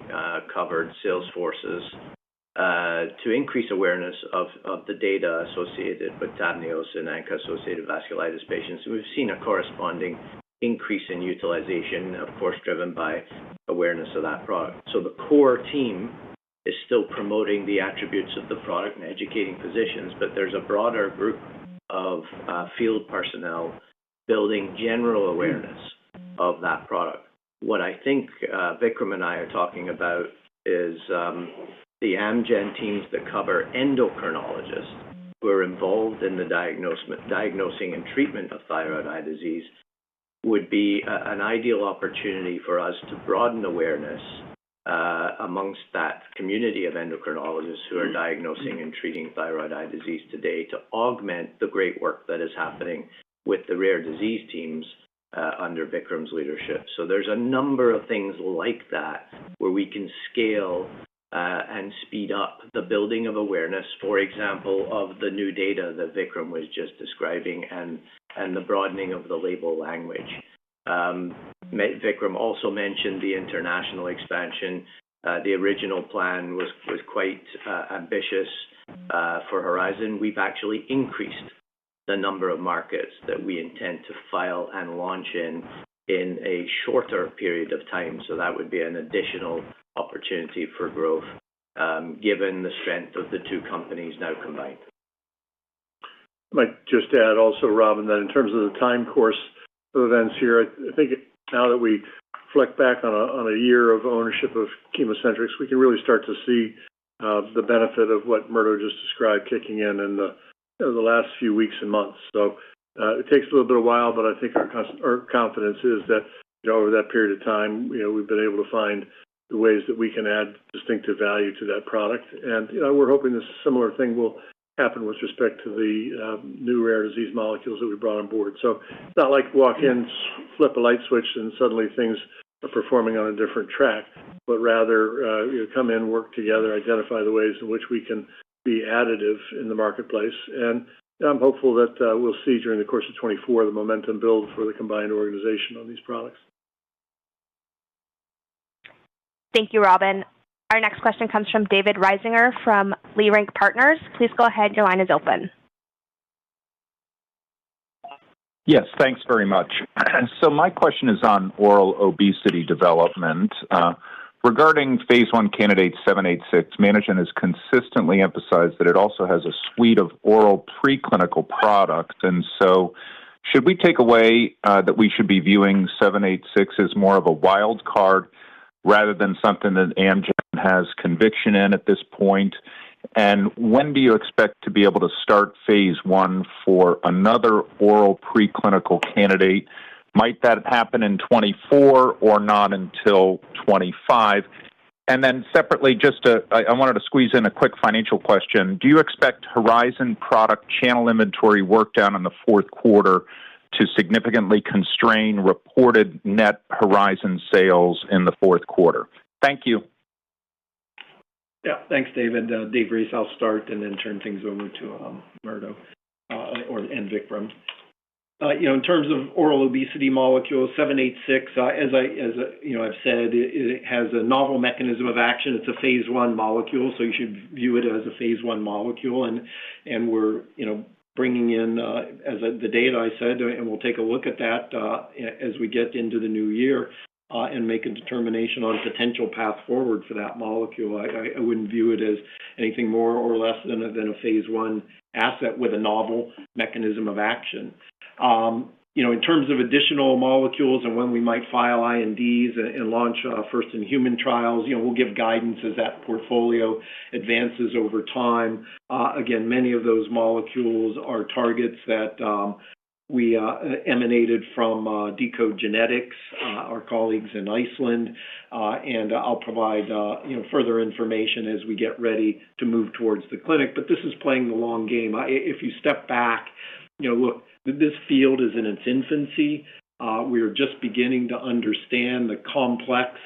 covered sales forces to increase awareness of the data associated with TAVNEOS and ANCA-associated vasculitis patients. We've seen a corresponding increase in utilization, of course, driven by awareness of that product. So the core team is still promoting the attributes of the product and educating physicians, but there's a broader group of field personnel building general awareness of that product. What I think, Vikram and I are talking about is, the Amgen teams that cover endocrinologists, who are involved in the diagnosing and treatment of thyroid eye disease, would be an ideal opportunity for us to broaden awareness among that community of endocrinologists who are diagnosing and treating thyroid eye disease today to augment the great work that is happening with the rare disease teams under Vikram's leadership. So there's a number of things like that, where we can scale and speed up the building of awareness, for example, of the new data that Vikram was just describing and the broadening of the label language. Vikram also mentioned the international expansion. The original plan was quite ambitious for Horizon. We've actually increased the number of markets that we intend to file and launch in, in a shorter period of time. That would be an additional opportunity for growth, given the strength of the two companies now combined. I might just add also, Robyn, that in terms of the time course of events here, I think now that we reflect back on a year of ownership of ChemoCentryx, we can really start to see the benefit of what Murdo just described, kicking in in the last few weeks and months. So, it takes a little bit of while, but I think our confidence is that, you know, over that period of time, you know, we've been able to find the ways that we can add distinctive value to that product. And, you know, we're hoping a similar thing will happen with respect to the new rare disease molecules that we brought on board. So it's not like walk in, flip a light switch, and suddenly things are performing on a different track, but rather, you come in, work together, identify the ways in which we can be additive in the marketplace. I'm hopeful that we'll see during the course of 2024, the momentum build for the combined organization on these products. Thank you, Robyn. Our next question comes from David Risinger from Leerink Partners. Please go ahead. Your line is open. Yes, thanks very much. So my question is on oral obesity development. Regarding phase one candidate, 786, management has consistently emphasized that it also has a suite of oral preclinical products, and so should we take away that we should be viewing 786 as more of a wild card rather than something that Amgen has conviction in at this point? And when do you expect to be able to start phase one for another oral preclinical candidate? Might that happen in 2024 or not until 2025? And then separately, just to... I wanted to squeeze in a quick financial question. Do you expect Horizon product channel inventory work down in the fourth quarter to significantly constrain reported net Horizon sales in the fourth quarter? Thank you. Yeah. Thanks, David. David Reese, I'll start and then turn things over to Murdo and Vikram. You know, in terms of oral obesity molecule, 786, as I, as I, you know, I've said, it, it has a novel mechanism of action. It's a phase one molecule, so you should view it as a phase one molecule, and, and we're, you know, bringing in, as the data I said, and we'll take a look at that, as we get into the new year, and make a determination on a potential path forward for that molecule. I, I, I wouldn't view it as anything more or less than a, than a phase 1 asset with a novel mechanism of action. You know, in terms of additional molecules and when we might file INDs and launch first in human trials, you know, we'll give guidance as that portfolio advances over time. Again, many of those molecules are targets that we emanated from deCODE Genetics, our colleagues in Iceland. And I'll provide, you know, further information as we get ready to move towards the clinic, but this is playing the long game. If you step back, you know, look, this field is in its infancy. We are just beginning to understand the complex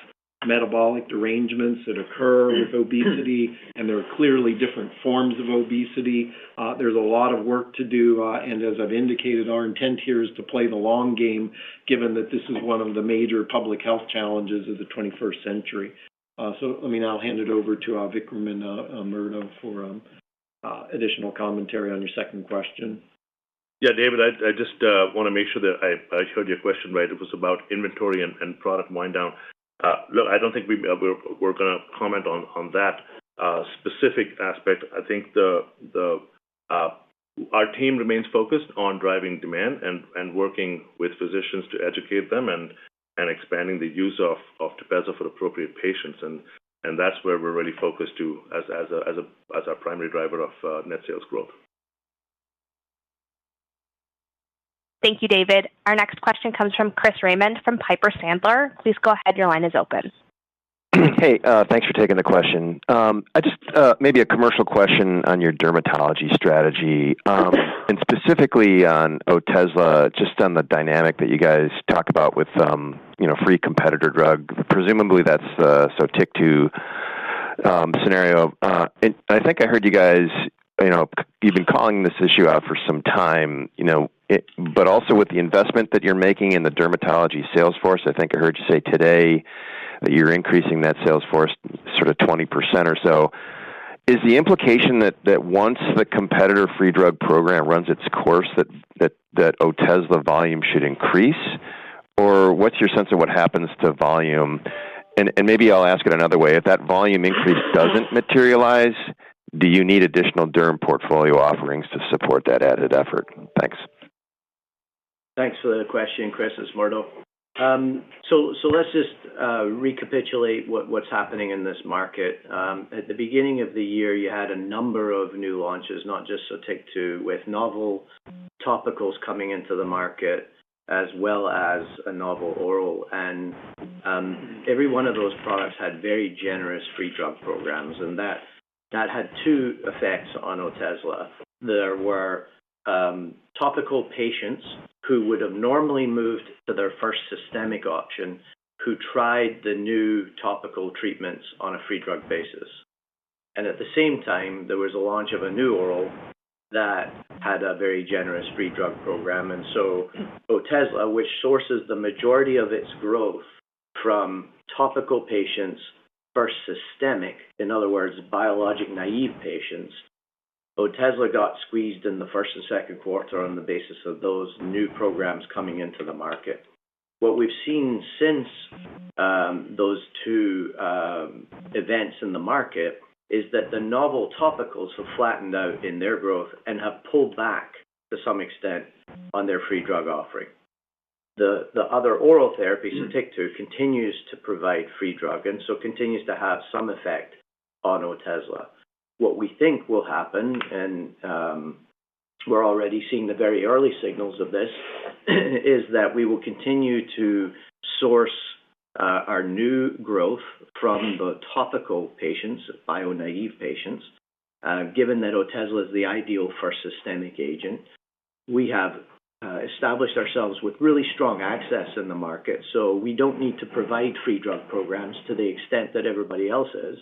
metabolic arrangements that occur with obesity, and there are clearly different forms of obesity. There's a lot of work to do, and as I've indicated, our intent here is to play the long game, given that this is one of the major public health challenges of the 21st century. So let me now hand it over to Vikram and Murdo for additional commentary on your second question. Yeah, David, I just want to make sure that I heard your question right. It was about inventory and product wind down. Look, I don't think we're going to comment on that specific aspect. I think our team remains focused on driving demand and working with physicians to educate them and expanding the use of Otezla for appropriate patients. And that's where we're really focused, as our primary driver of net sales growth. Thank you, David. Our next question comes from Chris Raymond from Piper Sandler. Please go ahead. Your line is open. Hey, thanks for taking the question. I just maybe a commercial question on your dermatology strategy, and specifically on Otezla, just on the dynamic that you guys talked about with, you know, free competitor drug. Presumably, that's the Sotyktu scenario. And I think I heard you guys, you know, you've been calling this issue out for some time, you know, it but also with the investment that you're making in the dermatology sales force, I think I heard you say today that you're increasing that sales force sort of 20% or so. Is the implication that once the competitor free drug program runs its course, that Otezla volume should increase? Or what's your sense of what happens to volume? Maybe I'll ask it another way: If that volume increase doesn't materialize, do you need additional derm portfolio offerings to support that added effort? Thanks. Thanks for the question, Chris. It's Murdo. So, let's just recapitulate what's happening in this market. At the beginning of the year, you had a number of new launches, not just SoTyktu, with novel topicals coming into the market, as well as a novel oral. And, every one of those products had very generous free drug programs, and that had two effects on Otezla. There were topical patients who would have normally moved to their first systemic option, who tried the new topical treatments on a free drug basis. And at the same time, there was a launch of a new oral that had a very generous free drug program. So Otezla, which sources the majority of its growth from topical patients, first systemic, in other words, biologic-naive patients, Otezla got squeezed in the first and second quarter on the basis of those new programs coming into the market. What we've seen since those two events in the market is that the novel topicals have flattened out in their growth and have pulled back to some extent on their free drug offering. The other oral therapy, SoTyktu, continues to provide free drug, and so continues to have some effect on Otezla. What we think will happen, and we're already seeing the very early signals of this, is that we will continue to source our new growth from the topical patients, bio-naive patients, given that Otezla is the ideal for a systemic agent. We have established ourselves with really strong access in the market, so we don't need to provide free drug programs to the extent that everybody else is.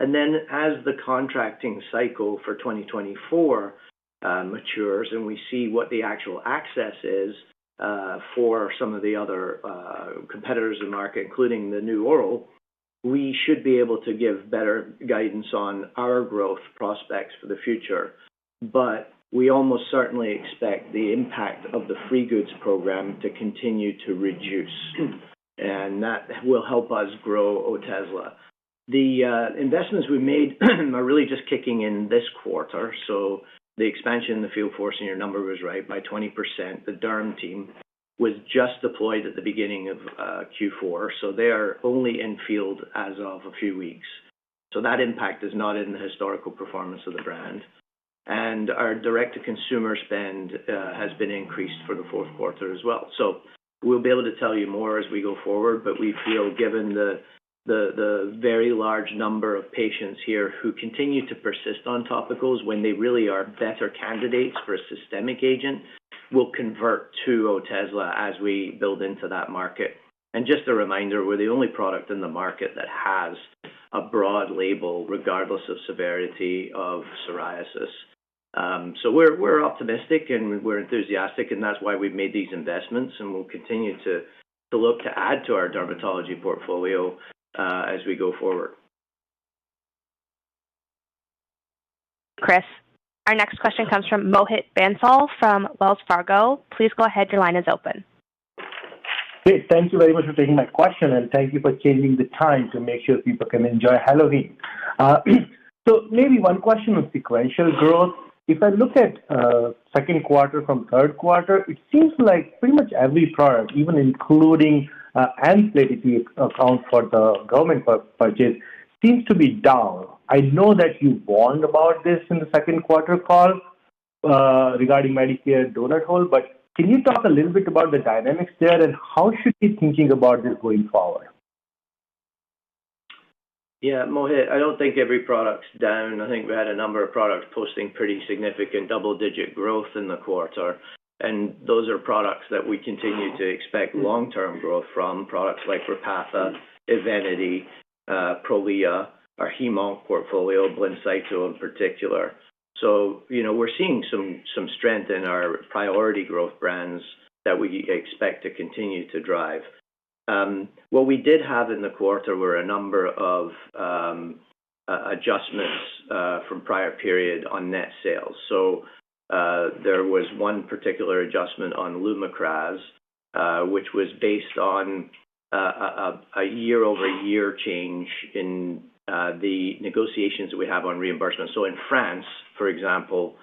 And then, as the contracting cycle for 2024 matures, and we see what the actual access is for some of the other competitors in the market, including the new oral, we should be able to give better guidance on our growth prospects for the future. But we almost certainly expect the impact of the free goods program to continue to reduce, and that will help us grow Otezla. The investments we made are really just kicking in this quarter, so the expansion in the field force, and your number was right, by 20%. The derm team was just deployed at the beginning of Q4, so they are only in field as of a few weeks. So that impact is not in the historical performance of the brand. And our direct-to-consumer spend has been increased for the fourth quarter as well. So we'll be able to tell you more as we go forward, but we feel, given the very large number of patients here who continue to persist on topicals when they really are better candidates for a systemic agent, will convert to Otezla as we build into that market. And just a reminder, we're the only product in the market that has a broad label, regardless of severity of psoriasis. So we're optimistic and we're enthusiastic, and that's why we've made these investments, and we'll continue to look to add to our dermatology portfolio as we go forward. Chris, our next question comes from Mohit Bansal from Wells Fargo. Please go ahead. Your line is open. Great. Thank you very much for taking my question, and thank you for changing the time to make sure people can enjoy Halloween. So maybe one question on sequential growth. If I look at second quarter from third quarter, it seems like pretty much every product, even including and accounts for the government budget, seems to be down. I know that you warned about this in the second quarter call, regarding Medicare donut hole, but can you talk a little bit about the dynamics there, and how should we be thinking about this going forward? Yeah, Mohit, I don't think every product's down. I think we had a number of products posting pretty significant double-digit growth in the quarter, and those are products that we continue to expect long-term growth from. Products like Repatha, Evenity, Prolia, our hemonc portfolio, Blincyto in particular. So you know, we're seeing some strength in our priority growth brands that we expect to continue to drive. What we did have in the quarter were a number of adjustments from prior period on net sales. So there was one particular adjustment on Lumakras, which was based on a year-over-year change in the negotiations we have on reimbursement. So in France, for example,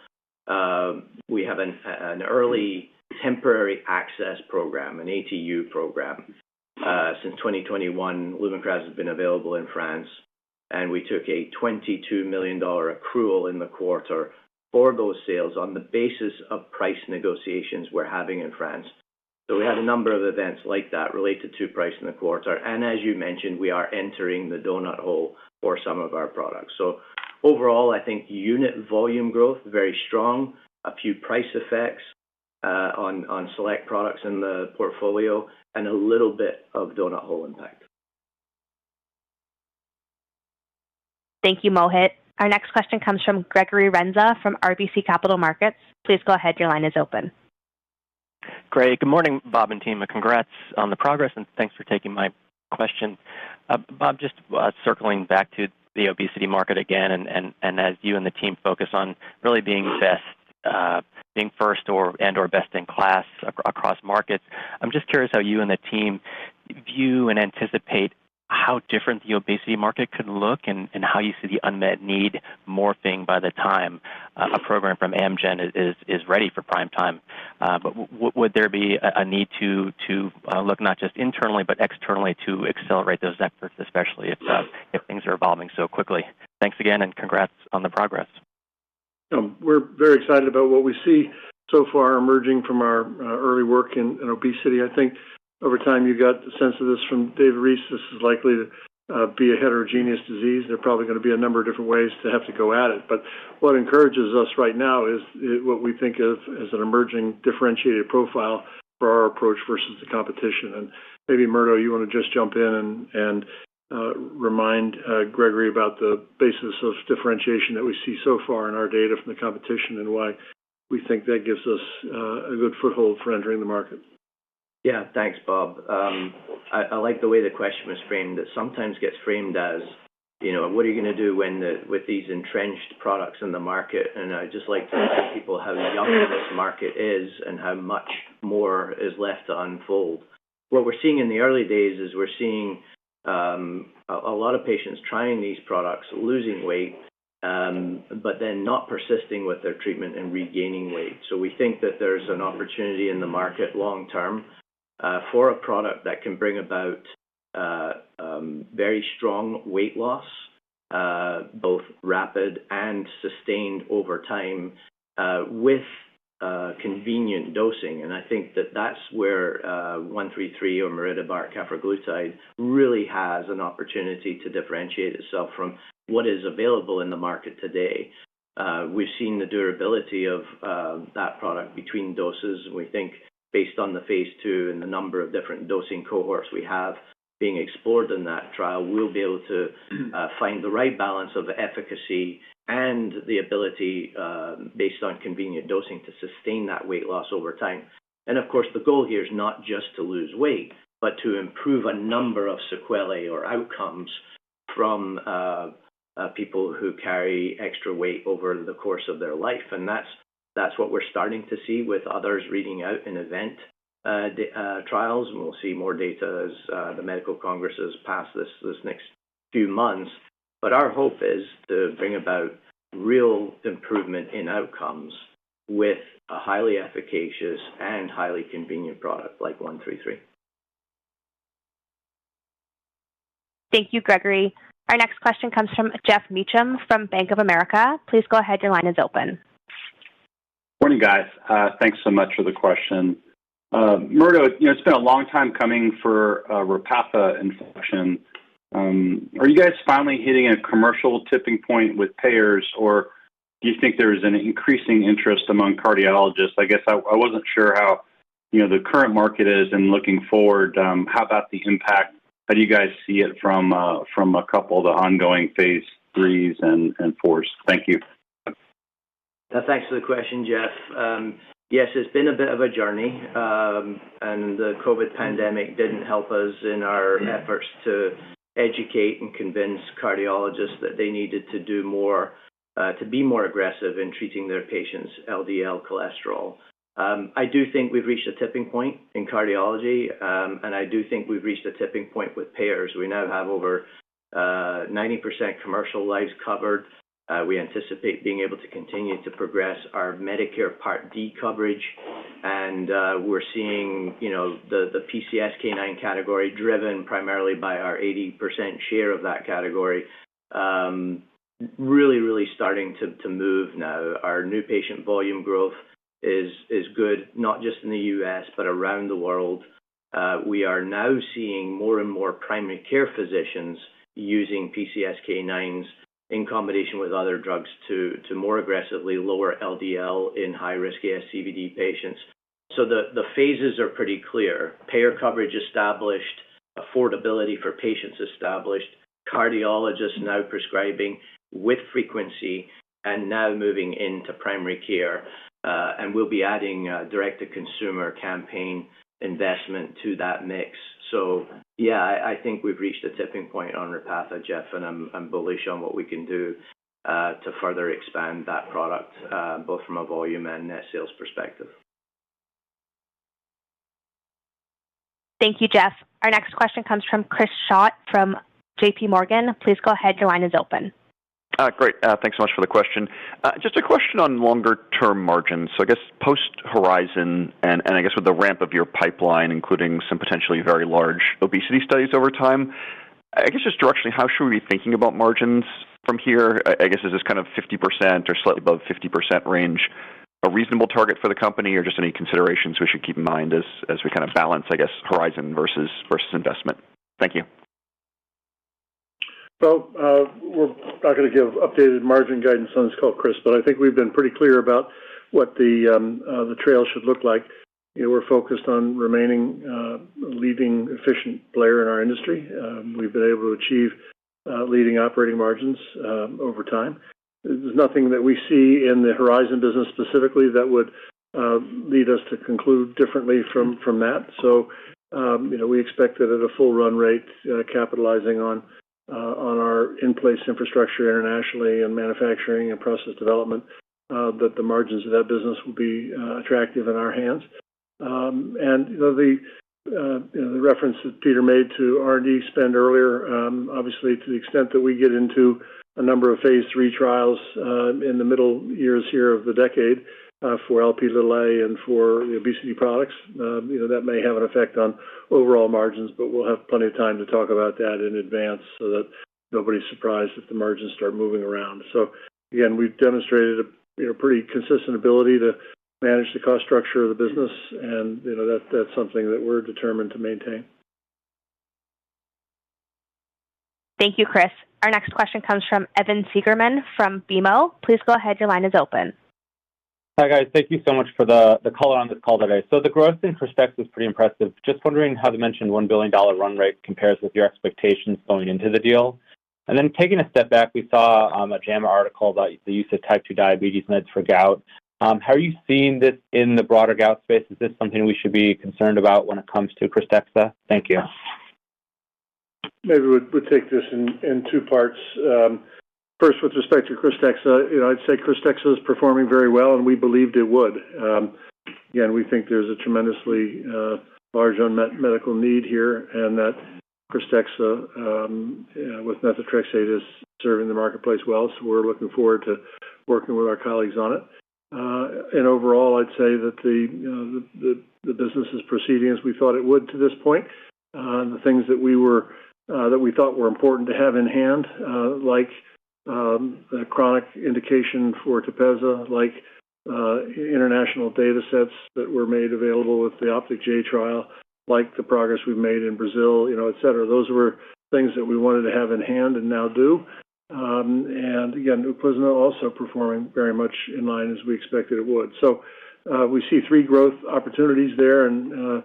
we have an early temporary access program, an ATU program. Since 2021, Lumakras has been available in France, and we took a $22 million accrual in the quarter for those sales on the basis of price negotiations we're having in France. We had a number of events like that related to price in the quarter, and as you mentioned, we are entering the donut hole for some of our products. Overall, I think unit volume growth, very strong, a few price effects, on select products in the portfolio, and a little bit of donut hole impact. Thank you, Mohit. Our next question comes from Gregory Renza, from RBC Capital Markets. Please go ahead. Your line is open.... Great. Good morning, Robert and team, and congrats on the progress, and thanks for taking my question. Robert, just circling back to the obesity market again, and as you and the team focus on really being best, being first or and/or best in class across markets, I'm just curious how you and the team view and anticipate how different the obesity market could look, and how you see the unmet need morphing by the time a program from Amgen is ready for prime time. But would there be a need to look not just internally but externally to accelerate those efforts, especially if things are evolving so quickly? Thanks again, and congrats on the progress. We're very excited about what we see so far emerging from our early work in obesity. I think over time, you got the sense of this from David Reese. This is likely to be a heterogeneous disease. There are probably gonna be a number of different ways to have to go at it. But what encourages us right now is what we think of as an emerging differentiated profile for our approach versus the competition. And maybe, Murdo, you want to just jump in and remind Gregory about the basis of differentiation that we see so far in our data from the competition and why we think that gives us a good foothold for entering the market. Yeah. Thanks, Robert. I like the way the question was framed. It sometimes gets framed as, you know, what are you gonna do when with these entrenched products in the market? And I'd just like to remind people how young this market is and how much more is left to unfold. What we're seeing in the early days is we're seeing a lot of patients trying these products, losing weight, but then not persisting with their treatment and regaining weight. So we think that there's an opportunity in the market long term for a product that can bring about very strong weight loss, both rapid and sustained over time, with convenient dosing. And I think that that's where, AMG 133 or MariTide, maridebart cafraglutide really has an opportunity to differentiate itself from what is available in the market today. We've seen the durability of, that product between doses, and we think based on the phase 2 and the number of different dosing cohorts we have being explored in that trial, we'll be able to, find the right balance of efficacy and the ability, based on convenient dosing, to sustain that weight loss over time. And of course, the goal here is not just to lose weight, but to improve a number of sequelae or outcomes from, people who carry extra weight over the course of their life. And that's what we're starting to see with others reading out in event-driven trials, and we'll see more data as the medical congresses pass by in these next few months. But our hope is to bring about real improvement in outcomes with a highly efficacious and highly convenient product like 133. Thank you, Gregory. Our next question comes from Geoff Meacham from Bank of America. Please go ahead. Your line is open. Morning, guys. Thanks so much for the question. Murdo, you know, it's been a long time coming for Repatha infusion. Are you guys finally hitting a commercial tipping point with payers, or do you think there is an increasing interest among cardiologists? I guess I wasn't sure how, you know, the current market is, and looking forward, how about the impact? How do you guys see it from a couple of the ongoing phase 3s and 4s? Thank you. Thanks for the question, Geoff. Yes, it's been a bit of a journey, and the COVID pandemic didn't help us in our efforts to educate and convince cardiologists that they needed to do more to be more aggressive in treating their patients' LDL cholesterol. I do think we've reached a tipping point in cardiology, and I do think we've reached a tipping point with payers. We now have over 90% commercial lives covered. We anticipate being able to continue to progress our Medicare Part D coverage, and we're seeing, you know, the PCSK9 category, driven primarily by our 80% share of that category, really starting to move now. Our new patient volume growth is good, not just in the U.S., but around the world. We are now seeing more and more primary care physicians using PCSK9s in combination with other drugs to more aggressively lower LDL in high-risk ASCVD patients. So the phases are pretty clear. Payer coverage established, affordability for patients established, cardiologists now prescribing with frequency, and now moving into primary care. And we'll be adding direct-to-consumer campaign investment to that mix. So yeah, I think we've reached a tipping point on Repatha, Geoff, and I'm bullish on what we can do to further expand that product both from a volume and net sales perspective. Thank you, Geoff. Our next question comes from Chris Schott from J.P. Morgan. Please go ahead. Your line is open. Great. Thanks so much for the question. Just a question on longer-term margins. So I guess Post-Horizon, and I guess with the ramp of your pipeline, including some potentially very large obesity studies over time, I guess, just directionally, how should we be thinking about margins from here? I guess, is this kind of 50% or slightly above 50% range, a reasonable target for the company, or just any considerations we should keep in mind as we kind of balance, I guess, Horizon versus investment? Thank you. So, we're not going to give updated margin guidance on this call, Chris, but I think we've been pretty clear about what the trail should look like. We're focused on remaining leading efficient player in our industry. We've been able to achieve leading operating margins over time. There's nothing that we see in the Horizon Business specifically that would lead us to conclude differently from that. So, you know, we expect that at a full run rate, capitalizing on our in-place infrastructure internationally and manufacturing and process development, that the margins of that business will be attractive in our hands. You know, the reference that Peter made to R&D spend earlier, obviously, to the extent that we get into a number of phase III trials in the middle years here of the decade for Lp and for obesity products, you know, that may have an effect on overall margins, but we'll have plenty of time to talk about that in advance so that nobody's surprised if the margins start moving around. So again, we've demonstrated a, you know, pretty consistent ability to manage the cost structure of the business, and, you know, that's, that's something that we're determined to maintain. Thank you, Chris. Our next question comes from Evan Segerman from BMO. Please go ahead. Your line is open. Hi, guys. Thank you so much for the call on this call today. So the growth in KRYSTEXXA is pretty impressive. Just wondering how the mentioned $1 billion run rate compares with your expectations going into the deal? And then taking a step back, we saw a JAMA article about the use of type two diabetes meds for gout. How are you seeing this in the broader gout space? Is this something we should be concerned about when it comes to KRYSTEXXA? Thank you. Maybe we'll take this in two parts. First, with respect to KRYSTEXXA, you know, I'd say KRYSTEXXA is performing very well, and we believed it would. Again, we think there's a tremendously large unmet medical need here and that KRYSTEXXA with methotrexate is serving the marketplace well, so we're looking forward to working with our colleagues on it. And overall, I'd say that the business is proceeding as we thought it would to this point. The things that we thought were important to have in hand, like the chronic indication for TEPEZZA, like international datasets that were made available with the OPTIC-J trial, like the progress we've made in Brazil, you know, et cetera. Those were things that we wanted to have in hand and now do. And again, Uplizna is also performing very much in line as we expected it would. So, we see three growth opportunities there, and,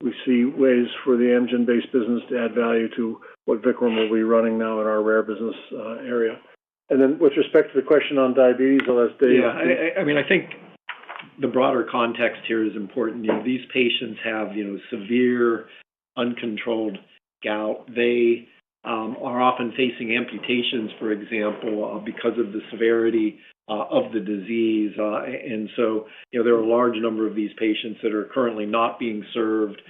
we see ways for the Amgen-based business to add value to what Vikram will be running now in our rare business area. And then with respect to the question on diabetes, unless David- Yeah, I mean, I think the broader context here is important. You know, these patients have, you know, severe, uncontrolled gout. They are often facing amputations, for example, because of the severity of the disease. And so, you know, there are a large number of these patients that are currently not being served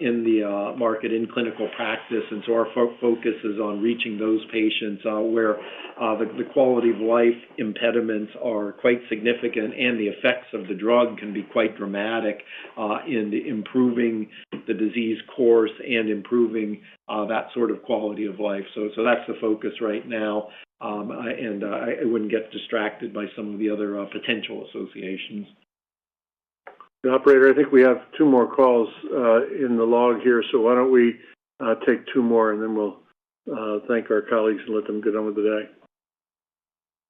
in the market, in clinical practice, and so our focus is on reaching those patients, where the quality of life impediments are quite significant and the effects of the drug can be quite dramatic in improving the disease course and improving that sort of quality of life. So that's the focus right now. I wouldn't get distracted by some of the other potential associations. Operator, I think we have two more calls in the log here, so why don't we take two more, and then we'll thank our colleagues and let them get on with the day?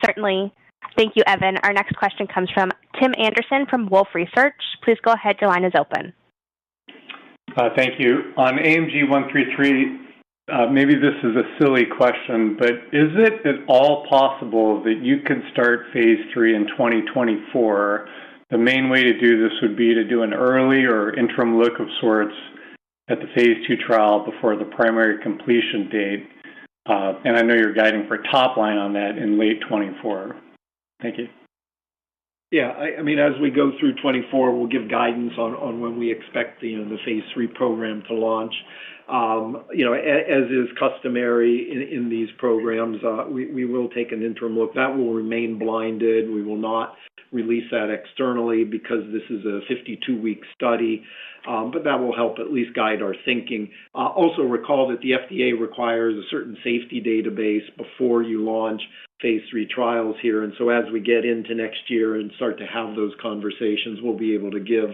Certainly. Thank you, Evan. Our next question comes from Tim Anderson from Wolfe Research. Please go ahead. Your line is open. Thank you. On AMG 133, maybe this is a silly question, but is it at all possible that you can start phase III in 2024? The main way to do this would be to do an early or interim look of sorts at the phase II trial before the primary completion date. I know you're guiding for top line on that in late 2024. Thank you. Yeah, I mean, as we go through 2024, we'll give guidance on when we expect the, you know, the phase 3 program to launch. You know, as is customary in these programs, we will take an interim look. That will remain blinded. We will not release that externally because this is a 52-week study, but that will help at least guide our thinking. Also recall that the FDA requires a certain safety database before you launch phase III trials here, and so as we get into next year and start to have those conversations, we'll be able to give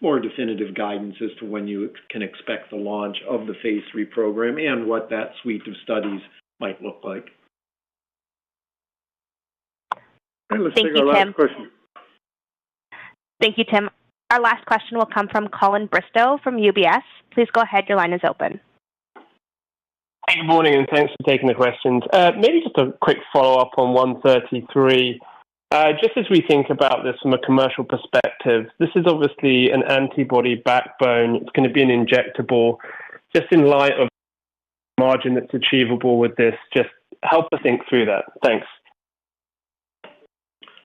more definitive guidance as to when you can expect the launch of the phase 3 program and what that suite of studies might look like. Let's take our last question. Thank you, Tim. Thank you, Tim. Our last question will come from Colin Bristow from UBS. Please go ahead. Your line is open. Good morning, and thanks for taking the questions. Maybe just a quick follow-up on 133. Just as we think about this from a commercial perspective, this is obviously an antibody backbone. It's going to be an injectable. Just in light of margin that's achievable with this, just help us think through that. Thanks.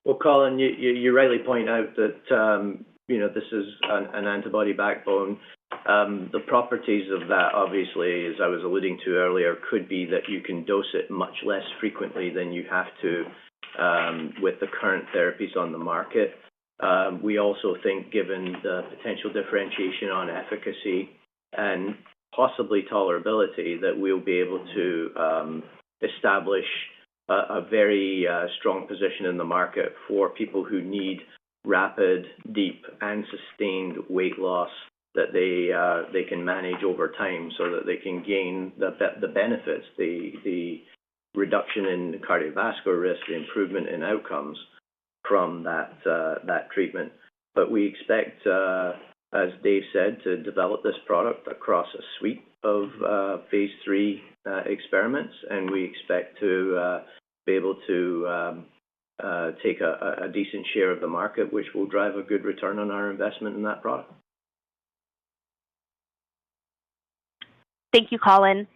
Well, Colin, you rightly point out that, you know, this is an antibody backbone. The properties of that, obviously, as I was alluding to earlier, could be that you can dose it much less frequently than you have to with the current therapies on the market. We also think, given the potential differentiation on efficacy and possibly tolerability, that we'll be able to establish a very strong position in the market for people who need rapid, deep, and sustained weight loss that they can manage over time so that they can gain the benefits, the reduction in cardiovascular risk, the improvement in outcomes from that treatment. But we expect, as David said, to develop this product across a suite of Phase III experiments, and we expect to be able to take a decent share of the market, which will drive a good return on our investment in that product. Thank you, Colin.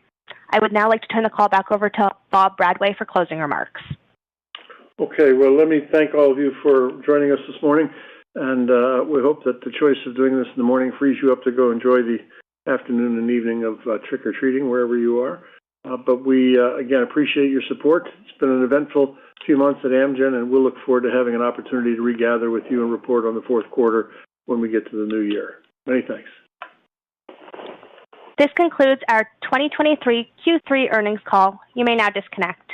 I would now like to turn the call back over to Robert Bradway for closing remarks. Okay. Well, let me thank all of you for joining us this morning, and, we hope that the choice of doing this in the morning frees you up to go enjoy the afternoon and evening of, trick-or-treating wherever you are. But we, again, appreciate your support. It's been an eventful few months at Amgen, and we'll look forward to having an opportunity to regather with you and report on the fourth quarter when we get to the new year. Many thanks. This concludes our 2023 Q3 earnings call. You may now disconnect.